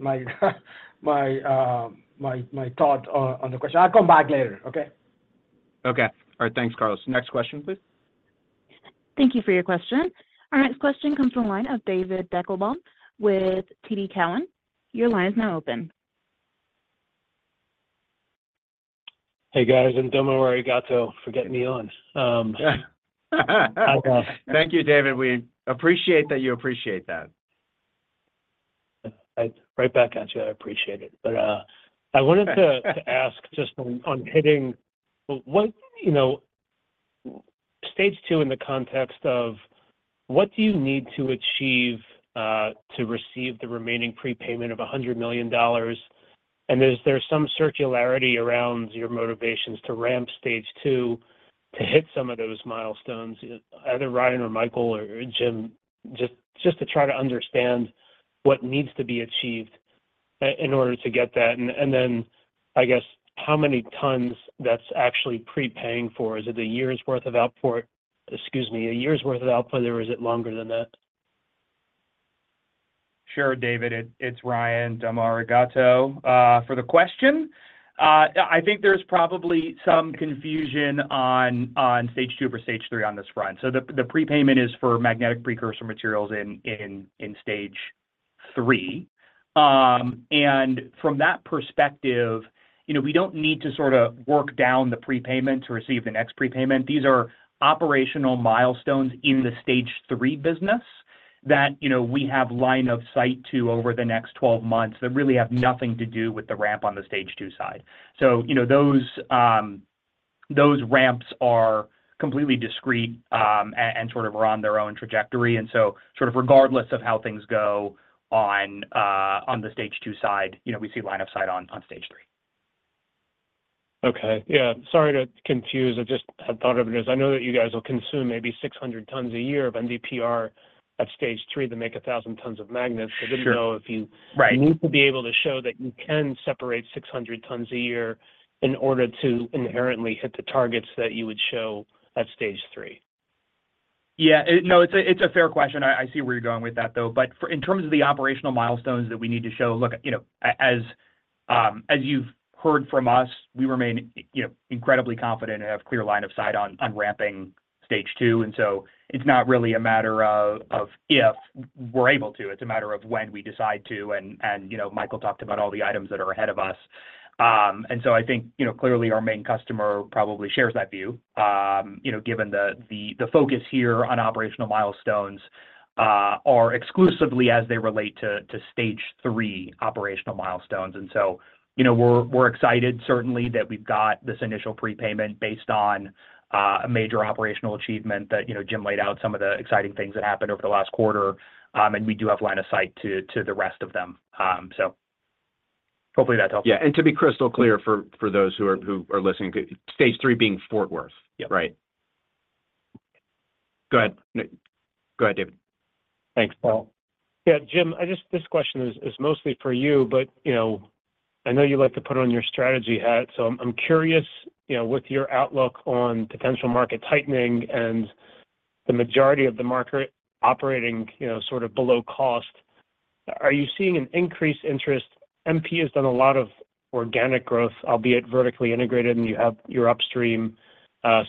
thought on the question. I'll come back later, okay? Okay. All right. Thanks, Carlos. Next question, please. Thank you for your question. Our next question comes from a line of David Deckelbaum with TD Cowen. Your line is now open. Hey, guys. And Domo arigato. Forget Neil and Carlos. Thank you, David. We appreciate that you appreciate that. Right back at you. I appreciate it. But I wanted to ask just on hitting stage two in the context of what do you need to achieve to receive the remaining prepayment of $100 million? And is there some circularity around your motivations to ramp stage two, to hit some of those milestones, either Ryan or Michael or Jim, just to try to understand what needs to be achieved in order to get that? And then, I guess, how many tons that's actually prepaying for? Is it a year's worth of output? Excuse me, a year's worth of output, or is it longer than that? Sure, David. It's Ryan Corbett for the question. I think there's probably some confusion on stage two or stage three on this front. So the prepayment is for magnetic precursor materials in stage three. And from that perspective, we don't need to sort of work down the prepayment to receive the next prepayment. These are operational milestones in the stage three business that we have line of sight to over the next 12 months that really have nothing to do with the ramp on the stage two side. So those ramps are completely discrete and sort of are on their own trajectory. And so sort of regardless of how things go on the stage two side, we see line of sight on stage three. Okay. Yeah. Sorry to confuse. I just had thought of it as I know that you guys will consume maybe 600 tons a year of NdPr at stage three to make 1,000 tons of magnets. I didn't know if you need to be able to show that you can separate 600 tons a year in order to inherently hit the targets that you would show at stage three. Yeah. No, it's a fair question. I see where you're going with that, though. But in terms of the operational milestones that we need to show, look, as you've heard from us, we remain incredibly confident and have a clear line of sight on ramping stage two. And so it's not really a matter of if we're able to. It's a matter of when we decide to. And Michael talked about all the items that are ahead of us. And so I think clearly, our main customer probably shares that view. Given the focus here on operational milestones are exclusively as they relate to stage three operational milestones. And so we're excited, certainly, that we've got this initial prepayment based on a major operational achievement that Jim laid out, some of the exciting things that happened over the last quarter. We do have line of sight to the rest of them. So hopefully, that's helpful. Yeah. And to be crystal clear for those who are listening, stage three being Fort Worth, right? Go ahead. Go ahead, David. Thanks, Michael. Yeah, Jim, this question is mostly for you, but I know you like to put it on your strategy hat. So I'm curious, with your outlook on potential market tightening and the majority of the market operating sort of below cost, are you seeing an increased interest? MP has done a lot of organic growth, albeit vertically integrated, and you have your upstream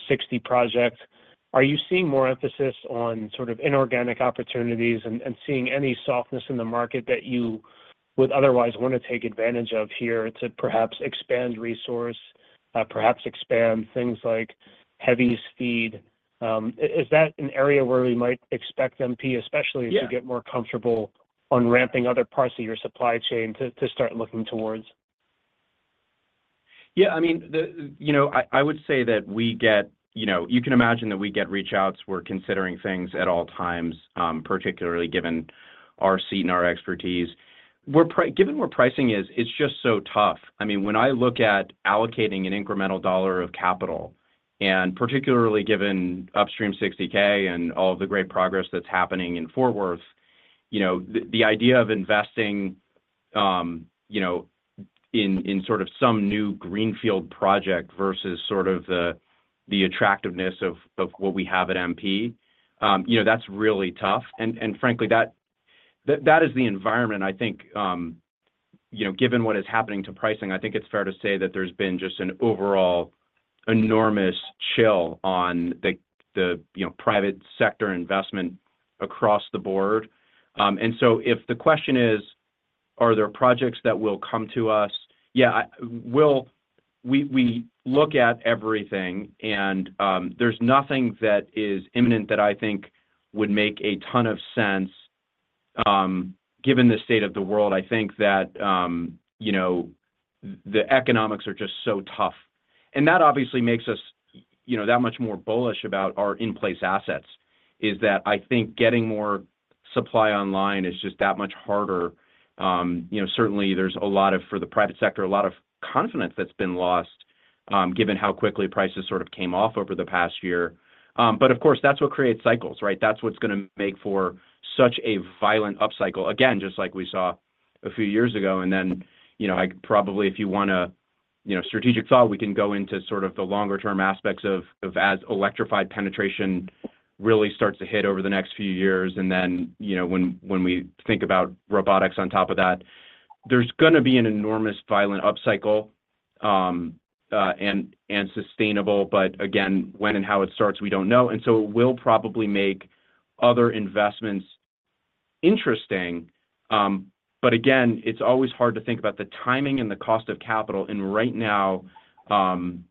60 project. Are you seeing more emphasis on sort of inorganic opportunities and seeing any softness in the market that you would otherwise want to take advantage of here to perhaps expand resource, perhaps expand things like heavy REEs? Is that an area where we might expect MP especially to get more comfortable on ramping other parts of your supply chain to start looking towards? Yeah. I mean, I would say that we get, you can imagine, that we get reachouts. We're considering things at all times, particularly given our seat and our expertise. Given where pricing is, it's just so tough. I mean, when I look at allocating an incremental dollar of capital, and particularly given Upstream 60K and all of the great progress that's happening in Fort Worth, the idea of investing in sort of some new greenfield project versus sort of the attractiveness of what we have at MP, that's really tough. And frankly, that is the environment. I think given what is happening to pricing, I think it's fair to say that there's been just an overall enormous chill on the private sector investment across the board. And so if the question is, are there projects that will come to us? Yeah, we look at everything, and there's nothing that is imminent that I think would make a ton of sense given the state of the world. I think that the economics are just so tough. And that obviously makes us that much more bullish about our in-place assets is that I think getting more supply online is just that much harder. Certainly, there's a lot of for the private sector, a lot of confidence that's been lost given how quickly prices sort of came off over the past year. But of course, that's what creates cycles, right? That's what's going to make for such a violent upcycle, again, just like we saw a few years ago. And then probably, if you want to strategic thought, we can go into sort of the longer-term aspects of as electrified penetration really starts to hit over the next few years. And then when we think about robotics on top of that, there's going to be an enormous violent upcycle and sustainable. But again, when and how it starts, we don't know. And so it will probably make other investments interesting. But again, it's always hard to think about the timing and the cost of capital. And right now, I'm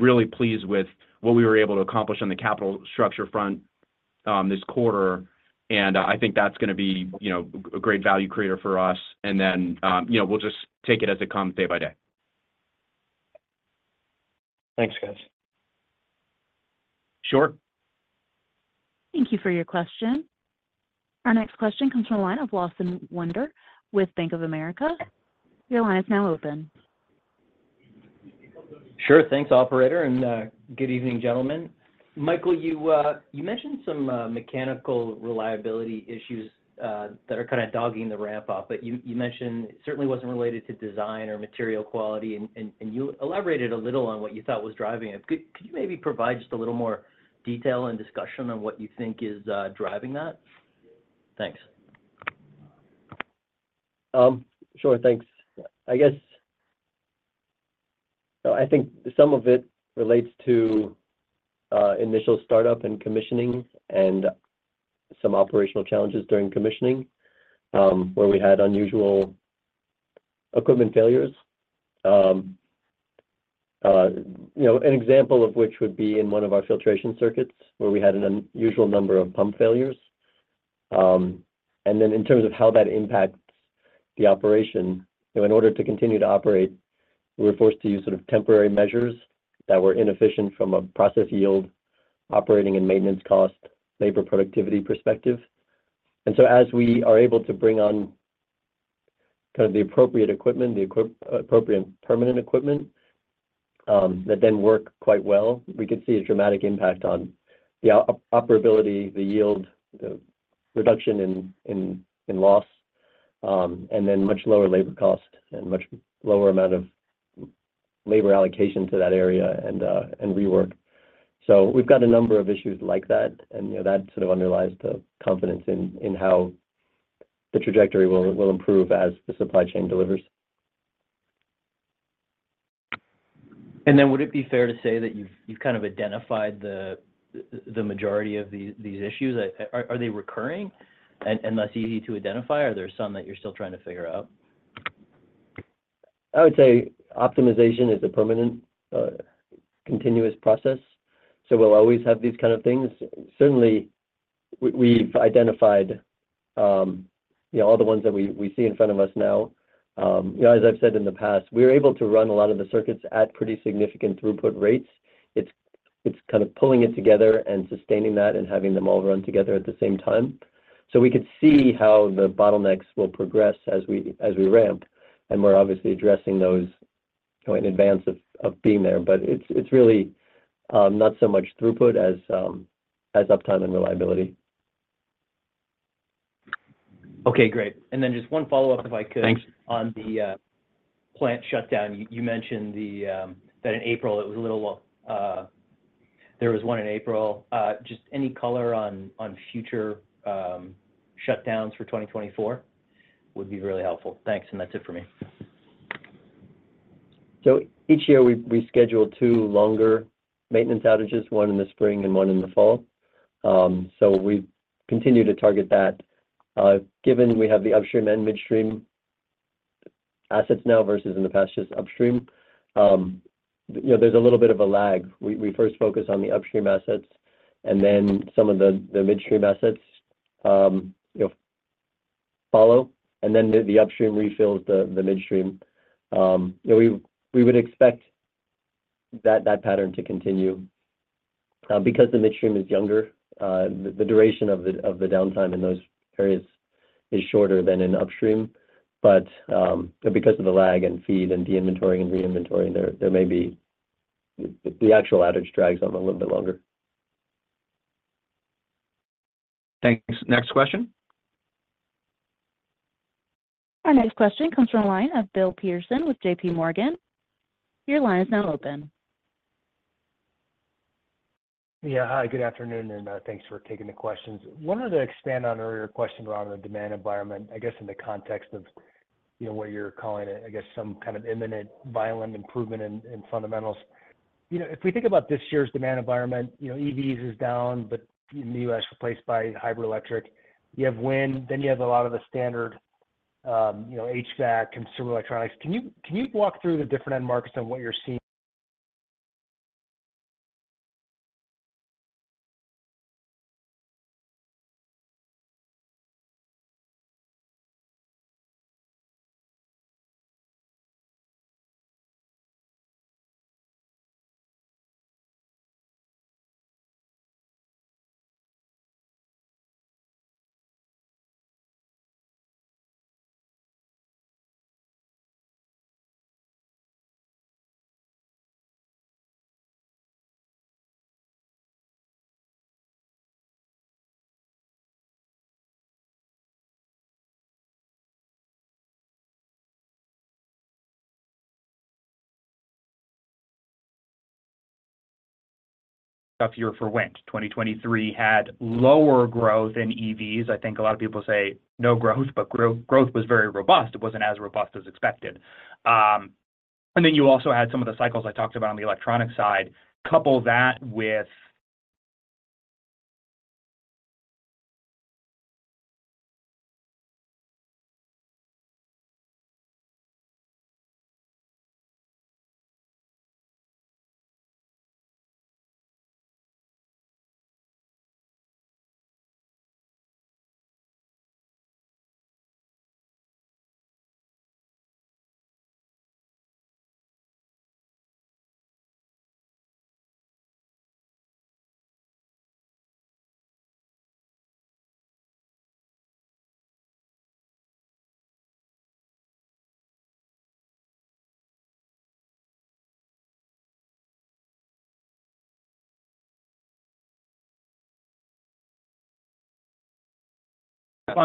really pleased with what we were able to accomplish on the capital structure front this quarter. And I think that's going to be a great value creator for us. And then we'll just take it as it comes day by day. Thanks, guys. Sure. Thank you for your question. Our next question comes from a line of Lawson Winder with Bank of America. Your line is now open. Sure. Thanks, operator, and good evening, gentlemen. Michael, you mentioned some mechanical reliability issues that are kind of dogging the ramp up, but you mentioned it certainly wasn't related to design or material quality. You elaborated a little on what you thought was driving it. Could you maybe provide just a little more detail and discussion on what you think is driving that? Thanks. Sure. Thanks. I think some of it relates to initial startup and commissioning and some operational challenges during commissioning where we had unusual equipment failures, an example of which would be in one of our filtration circuits where we had an unusual number of pump failures. Then in terms of how that impacts the operation, in order to continue to operate, we were forced to use sort of temporary measures that were inefficient from a process yield, operating, and maintenance cost, labor productivity perspective. So as we are able to bring on kind of the appropriate equipment, the appropriate permanent equipment that then work quite well, we could see a dramatic impact on the operability, the yield, the reduction in loss, and then much lower labor cost and much lower amount of labor allocation to that area and rework. We've got a number of issues like that, and that sort of underlies the confidence in how the trajectory will improve as the supply chain delivers. And then would it be fair to say that you've kind of identified the majority of these issues? Are they recurring and less easy to identify? Are there some that you're still trying to figure out? I would say optimization is a permanent continuous process. So we'll always have these kind of things. Certainly, we've identified all the ones that we see in front of us now. As I've said in the past, we were able to run a lot of the circuits at pretty significant throughput rates. It's kind of pulling it together and sustaining that and having them all run together at the same time. So we could see how the bottlenecks will progress as we ramp. And we're obviously addressing those in advance of being there. But it's really not so much throughput as uptime and reliability. Okay. Great. And then just one follow-up, if I could, on the plant shutdown. You mentioned that in April, there was one in April. Just any color on future shutdowns for 2024 would be really helpful. Thanks. And that's it for me. So each year, we schedule 2 longer maintenance outages, one in the spring and one in the fall. So we continue to target that. Given we have the upstream and midstream assets now versus in the past, just upstream, there's a little bit of a lag. We first focus on the upstream assets, and then some of the midstream assets follow, and then the upstream refills the midstream. We would expect that pattern to continue because the midstream is younger. The duration of the downtime in those areas is shorter than in upstream. But because of the lag and feed and deinventorying and reinventory, the actual outage drags on a little bit longer. Thanks. Next question? Our next question comes from a line of Bill Peterson with JP Morgan. Your line is now open. Yeah. Hi. Good afternoon, and thanks for taking the questions. I wanted to expand on earlier questions around the demand environment, I guess, in the context of what you're calling, I guess, some kind of imminent violent improvement in fundamentals. If we think about this year's demand environment, EVs is down, but in the US, replaced by hybrid electric. You have wind. Then you have a lot of the standard HVAC, consumer electronics. Can you walk through the different end markets on what you're seeing? About the year for wind. 2023 had lower growth in EVs. I think a lot of people say no growth, but growth was very robust. It wasn't as robust as expected. And then you also had some of the cycles I talked about on the electronic side. Couple that with.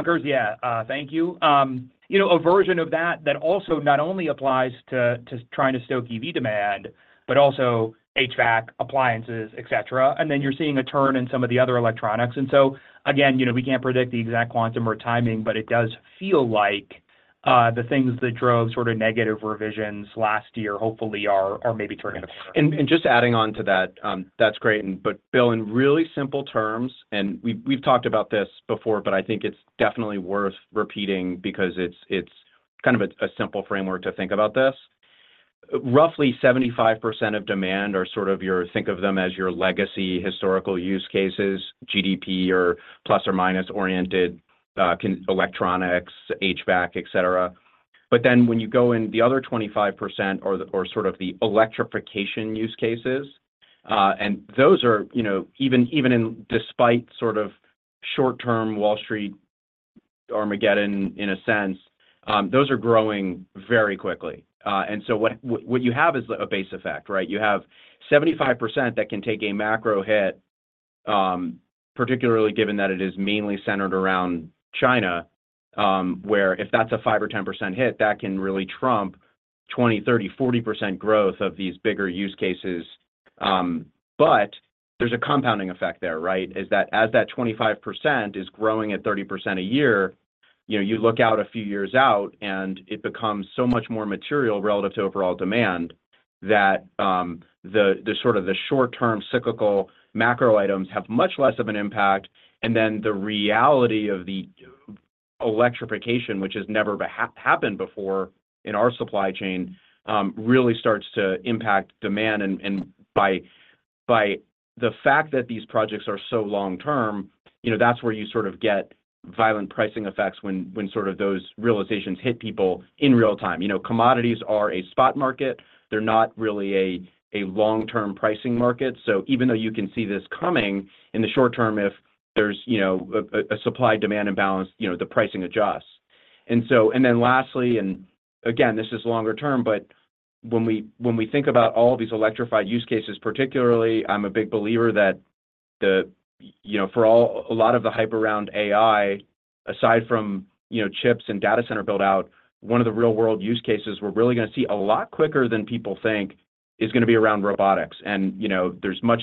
destocking, yeah. Thank you. A version of that that also not only applies to trying to stock EV demand, but also HVAC appliances, etc. And then you're seeing a turn in some of the other electronics. And so again, we can't predict the exact quantum or timing, but it does feel like the things that drove sort of negative revisions last year hopefully are maybe turning the corner. Just adding on to that, that's great. But Bill, in really simple terms and we've talked about this before, but I think it's definitely worth repeating because it's kind of a simple framework to think about this. Roughly 75% of demand are sort of your think of them as your legacy historical use cases, GDP or plus or minus oriented electronics, HVAC, etc. But then when you go in the other 25% or sort of the electrification use cases, and those are even despite sort of short-term Wall Street Armageddon, in a sense, those are growing very quickly. And so what you have is a base effect, right? You have 75% that can take a macro hit, particularly given that it is mainly centered around China, where if that's a 5% or 10% hit, that can really trump 20%, 30%, 40% growth of these bigger use cases. But there's a compounding effect there, right? As that 25% is growing at 30% a year, you look out a few years out, and it becomes so much more material relative to overall demand that sort of the short-term cyclical macro items have much less of an impact. And then the reality of the electrification, which has never happened before in our supply chain, really starts to impact demand. And by the fact that these projects are so long-term, that's where you sort of get violent pricing effects when sort of those realizations hit people in real time. Commodities are a spot market. They're not really a long-term pricing market. So even though you can see this coming, in the short term, if there's a supply-demand imbalance, the pricing adjusts. And then lastly, and again, this is longer term, but when we think about all of these electrified use cases, particularly, I'm a big believer that for a lot of the hype around AI, aside from chips and data center buildout, one of the real-world use cases we're really going to see a lot quicker than people think is going to be around robotics. And there's much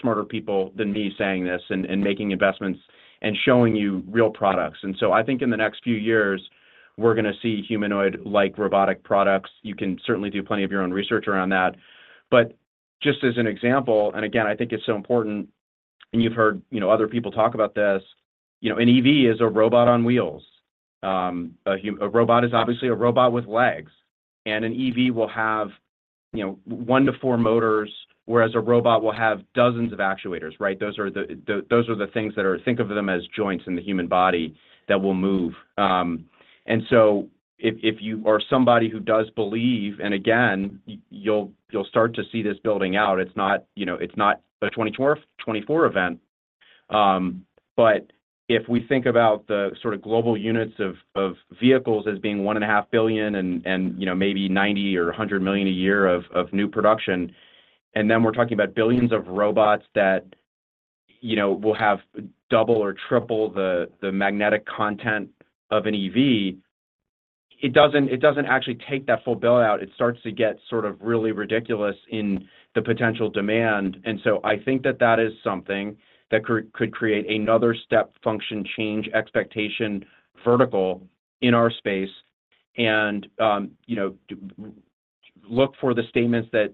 smarter people than me saying this and making investments and showing you real products. And so I think in the next few years, we're going to see humanoid-like robotic products. You can certainly do plenty of your own research around that. But just as an example, and again, I think it's so important, and you've heard other people talk about this, an EV is a robot on wheels. A robot is obviously a robot with legs. An EV will have 1-4 motors, whereas a robot will have dozens of actuators, right? Those are the things that are think of them as joints in the human body that will move. So if you are somebody who does believe and again, you'll start to see this building out. It's not a 2024 event. But if we think about the sort of global units of vehicles as being 1.5 billion and maybe 90 or 100 million a year of new production, and then we're talking about billions of robots that will have double or triple the magnetic content of an EV, it doesn't actually take that full buildout. It starts to get sort of really ridiculous in the potential demand. I think that that is something that could create another step function change expectation vertical in our space and look for the statements that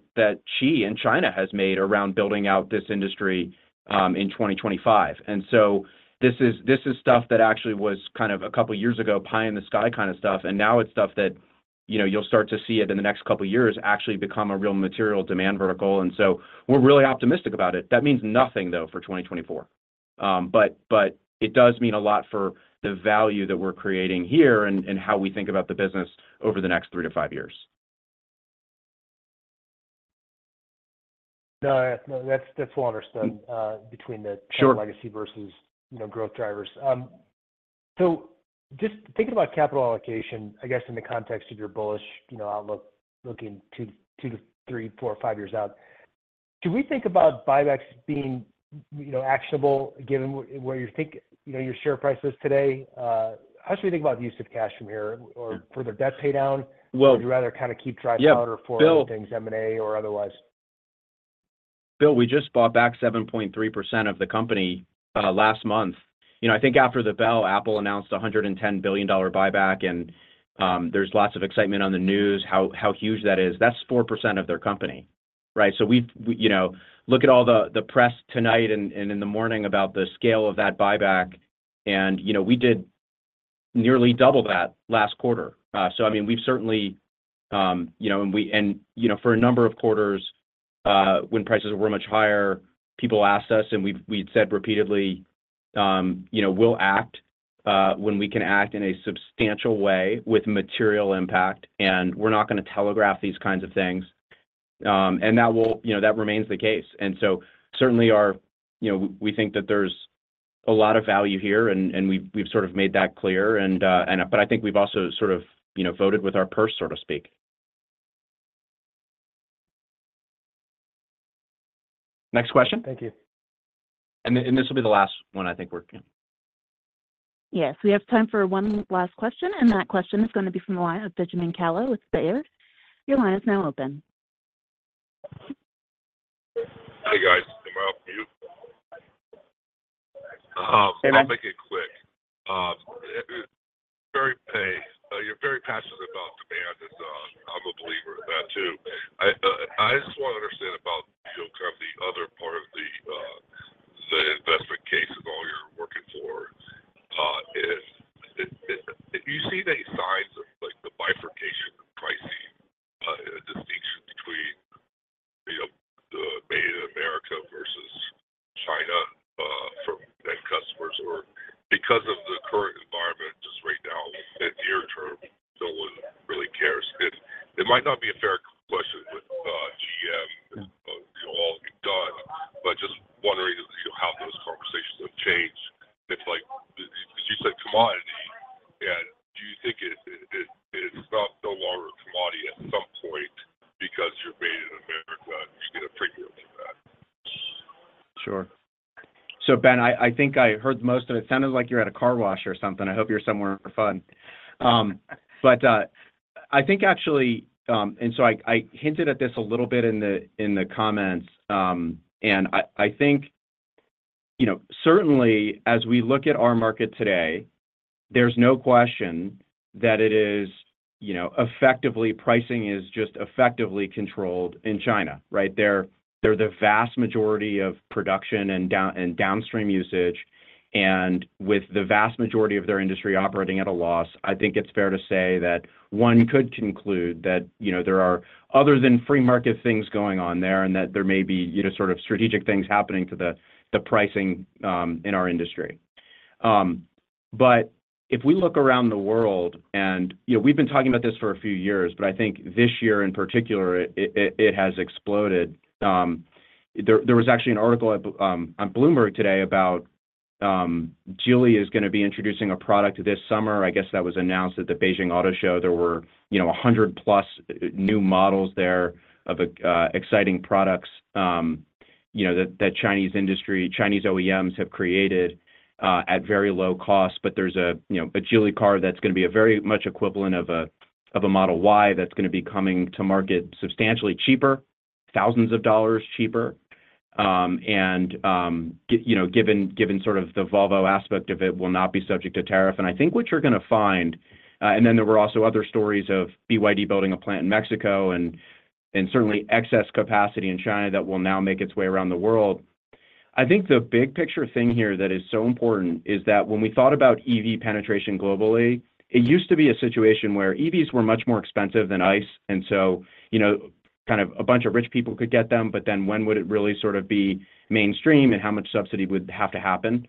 Xi in China has made around building out this industry in 2025. This is stuff that actually was kind of a couple of years ago, pie in the sky kind of stuff. Now it's stuff that you'll start to see it in the next couple of years actually become a real material demand vertical. We're really optimistic about it. That means nothing, though, for 2024. It does mean a lot for the value that we're creating here and how we think about the business over the next three to five years. No, that's well understood between the chip legacy versus growth drivers. So just thinking about capital allocation, I guess, in the context of your bullish outlook looking 2 to 3, 4, 5 years out, should we think about buybacks being actionable given where you think your share price is today? How should we think about the use of cash from here or further debt paydown? Would you rather kind of keep dry powder for things M&A or otherwise? Bill, we just bought back 7.3% of the company last month. I think after the bell, Apple announced a $110 billion buyback, and there's lots of excitement on the news how huge that is. That's 4% of their company, right? So look at all the press tonight and in the morning about the scale of that buyback. And we did nearly double that last quarter. So I mean, we've certainly and for a number of quarters, when prices were much higher, people asked us, and we'd said repeatedly, "We'll act when we can act in a substantial way with material impact, and we're not going to telegraph these kinds of things." And that remains the case. And so certainly, we think that there's a lot of value here, and we've sort of made that clear. But I think we've also sort of voted with our purse, so to speak. Next question. Thank you. This will be the last one, I think, we're. Yes. We have time for one last question, and that question is going to be from the line of Benjamin Kallo with Baird. Your line is now open. Hey, guys. It's been a while. I'll make it quick. You're very passionate about demand. I'm a believer of that too. I just want to understand about kind of the other part of the investment cases, all you're working for. Do you see any signs of the bifurcation of pricing, a distinction between the made in America versus China from end customers? Or because of the current environment just right now? In the near term, no one really cares. It might not be a fair question with GM and all of you done, but just wondering how those conversations have changed. Because you said commodity, and do you think it's no longer a commodity at some point because you're made in America? You get a premium for that. Sure. So Ben, I think I heard most of it. Sounded like you're at a car wash or something. I hope you're somewhere for fun. But I think actually and so I hinted at this a little bit in the comments. I think certainly, as we look at our market today, there's no question that it is effectively pricing is just effectively controlled in China, right? They're the vast majority of production and downstream usage. With the vast majority of their industry operating at a loss, I think it's fair to say that one could conclude that there are other than free market things going on there and that there may be sort of strategic things happening to the pricing in our industry. But if we look around the world and we've been talking about this for a few years, but I think this year in particular, it has exploded. There was actually an article on Bloomberg today about Geely is going to be introducing a product this summer. I guess that was announced at the Beijing Auto Show. There were 100+ new models there of exciting products that Chinese OEMs have created at very low cost. But there's a Geely car that's going to be very much equivalent of a Model Y that's going to be coming to market substantially cheaper, thousands of dollars cheaper. And given sort of the Volvo aspect of it, will not be subject to tariff. And I think what you're going to find and then there were also other stories of BYD building a plant in Mexico and certainly excess capacity in China that will now make its way around the world. I think the big picture thing here that is so important is that when we thought about EV penetration globally, it used to be a situation where EVs were much more expensive than ICE. And so kind of a bunch of rich people could get them. But then when would it really sort of be mainstream and how much subsidy would have to happen?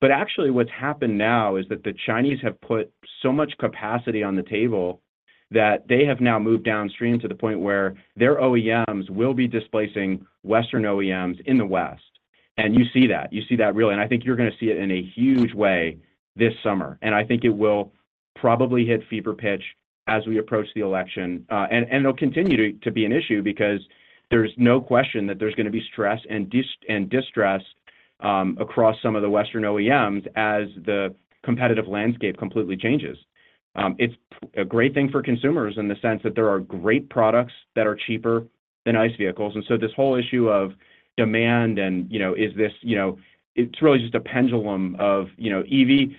But actually, what's happened now is that the Chinese have put so much capacity on the table that they have now moved downstream to the point where their OEMs will be displacing Western OEMs in the West. And you see that. You see that really. I think you're going to see it in a huge way this summer. I think it will probably hit fever pitch as we approach the election. It'll continue to be an issue because there's no question that there's going to be stress and distress across some of the Western OEMs as the competitive landscape completely changes. It's a great thing for consumers in the sense that there are great products that are cheaper than ice vehicles. So this whole issue of demand, and is this? It's really just a pendulum of EV.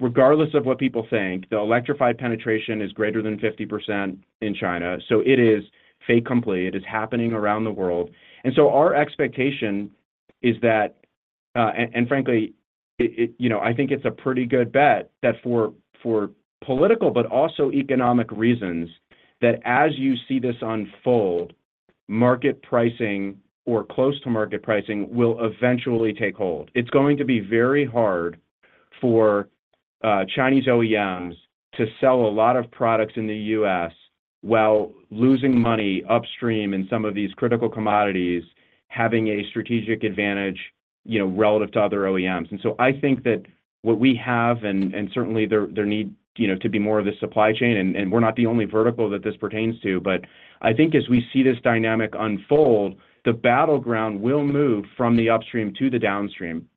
Regardless of what people think, the electrified penetration is greater than 50% in China. So it is fait accompli. It is happening around the world. And so our expectation is that, and frankly, I think it's a pretty good bet that for political, but also economic reasons, that as you see this unfold, market pricing or close-to-market pricing will eventually take hold. It's going to be very hard for Chinese OEMs to sell a lot of products in the U.S. while losing money upstream in some of these critical commodities, having a strategic advantage relative to other OEMs. And so I think that what we have and certainly there need to be more of this supply chain. And we're not the only vertical that this pertains to. But I think as we see this dynamic unfold, the battleground will move from the upstream to the downstream.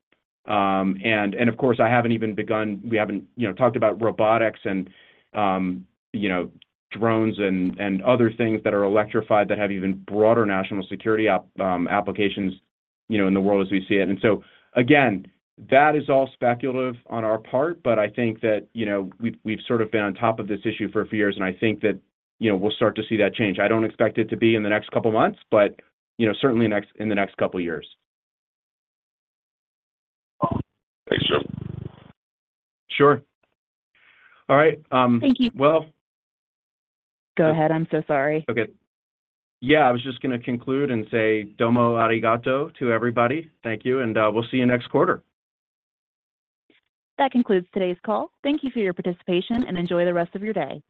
Of course, I haven't even begun, we haven't talked about robotics and drones and other things that are electrified that have even broader national security applications in the world as we see it. And so again, that is all speculative on our part. But I think that we've sort of been on top of this issue for a few years, and I think that we'll start to see that change. I don't expect it to be in the next couple of months, but certainly in the next couple of years. Thanks, Jim. Sure. All right. Well. Go ahead. I'm so sorry. Okay. Yeah. I was just going to conclude and say domo arigato to everybody. Thank you. We'll see you next quarter. That concludes today's call. Thank you for your participation, and enjoy the rest of your day.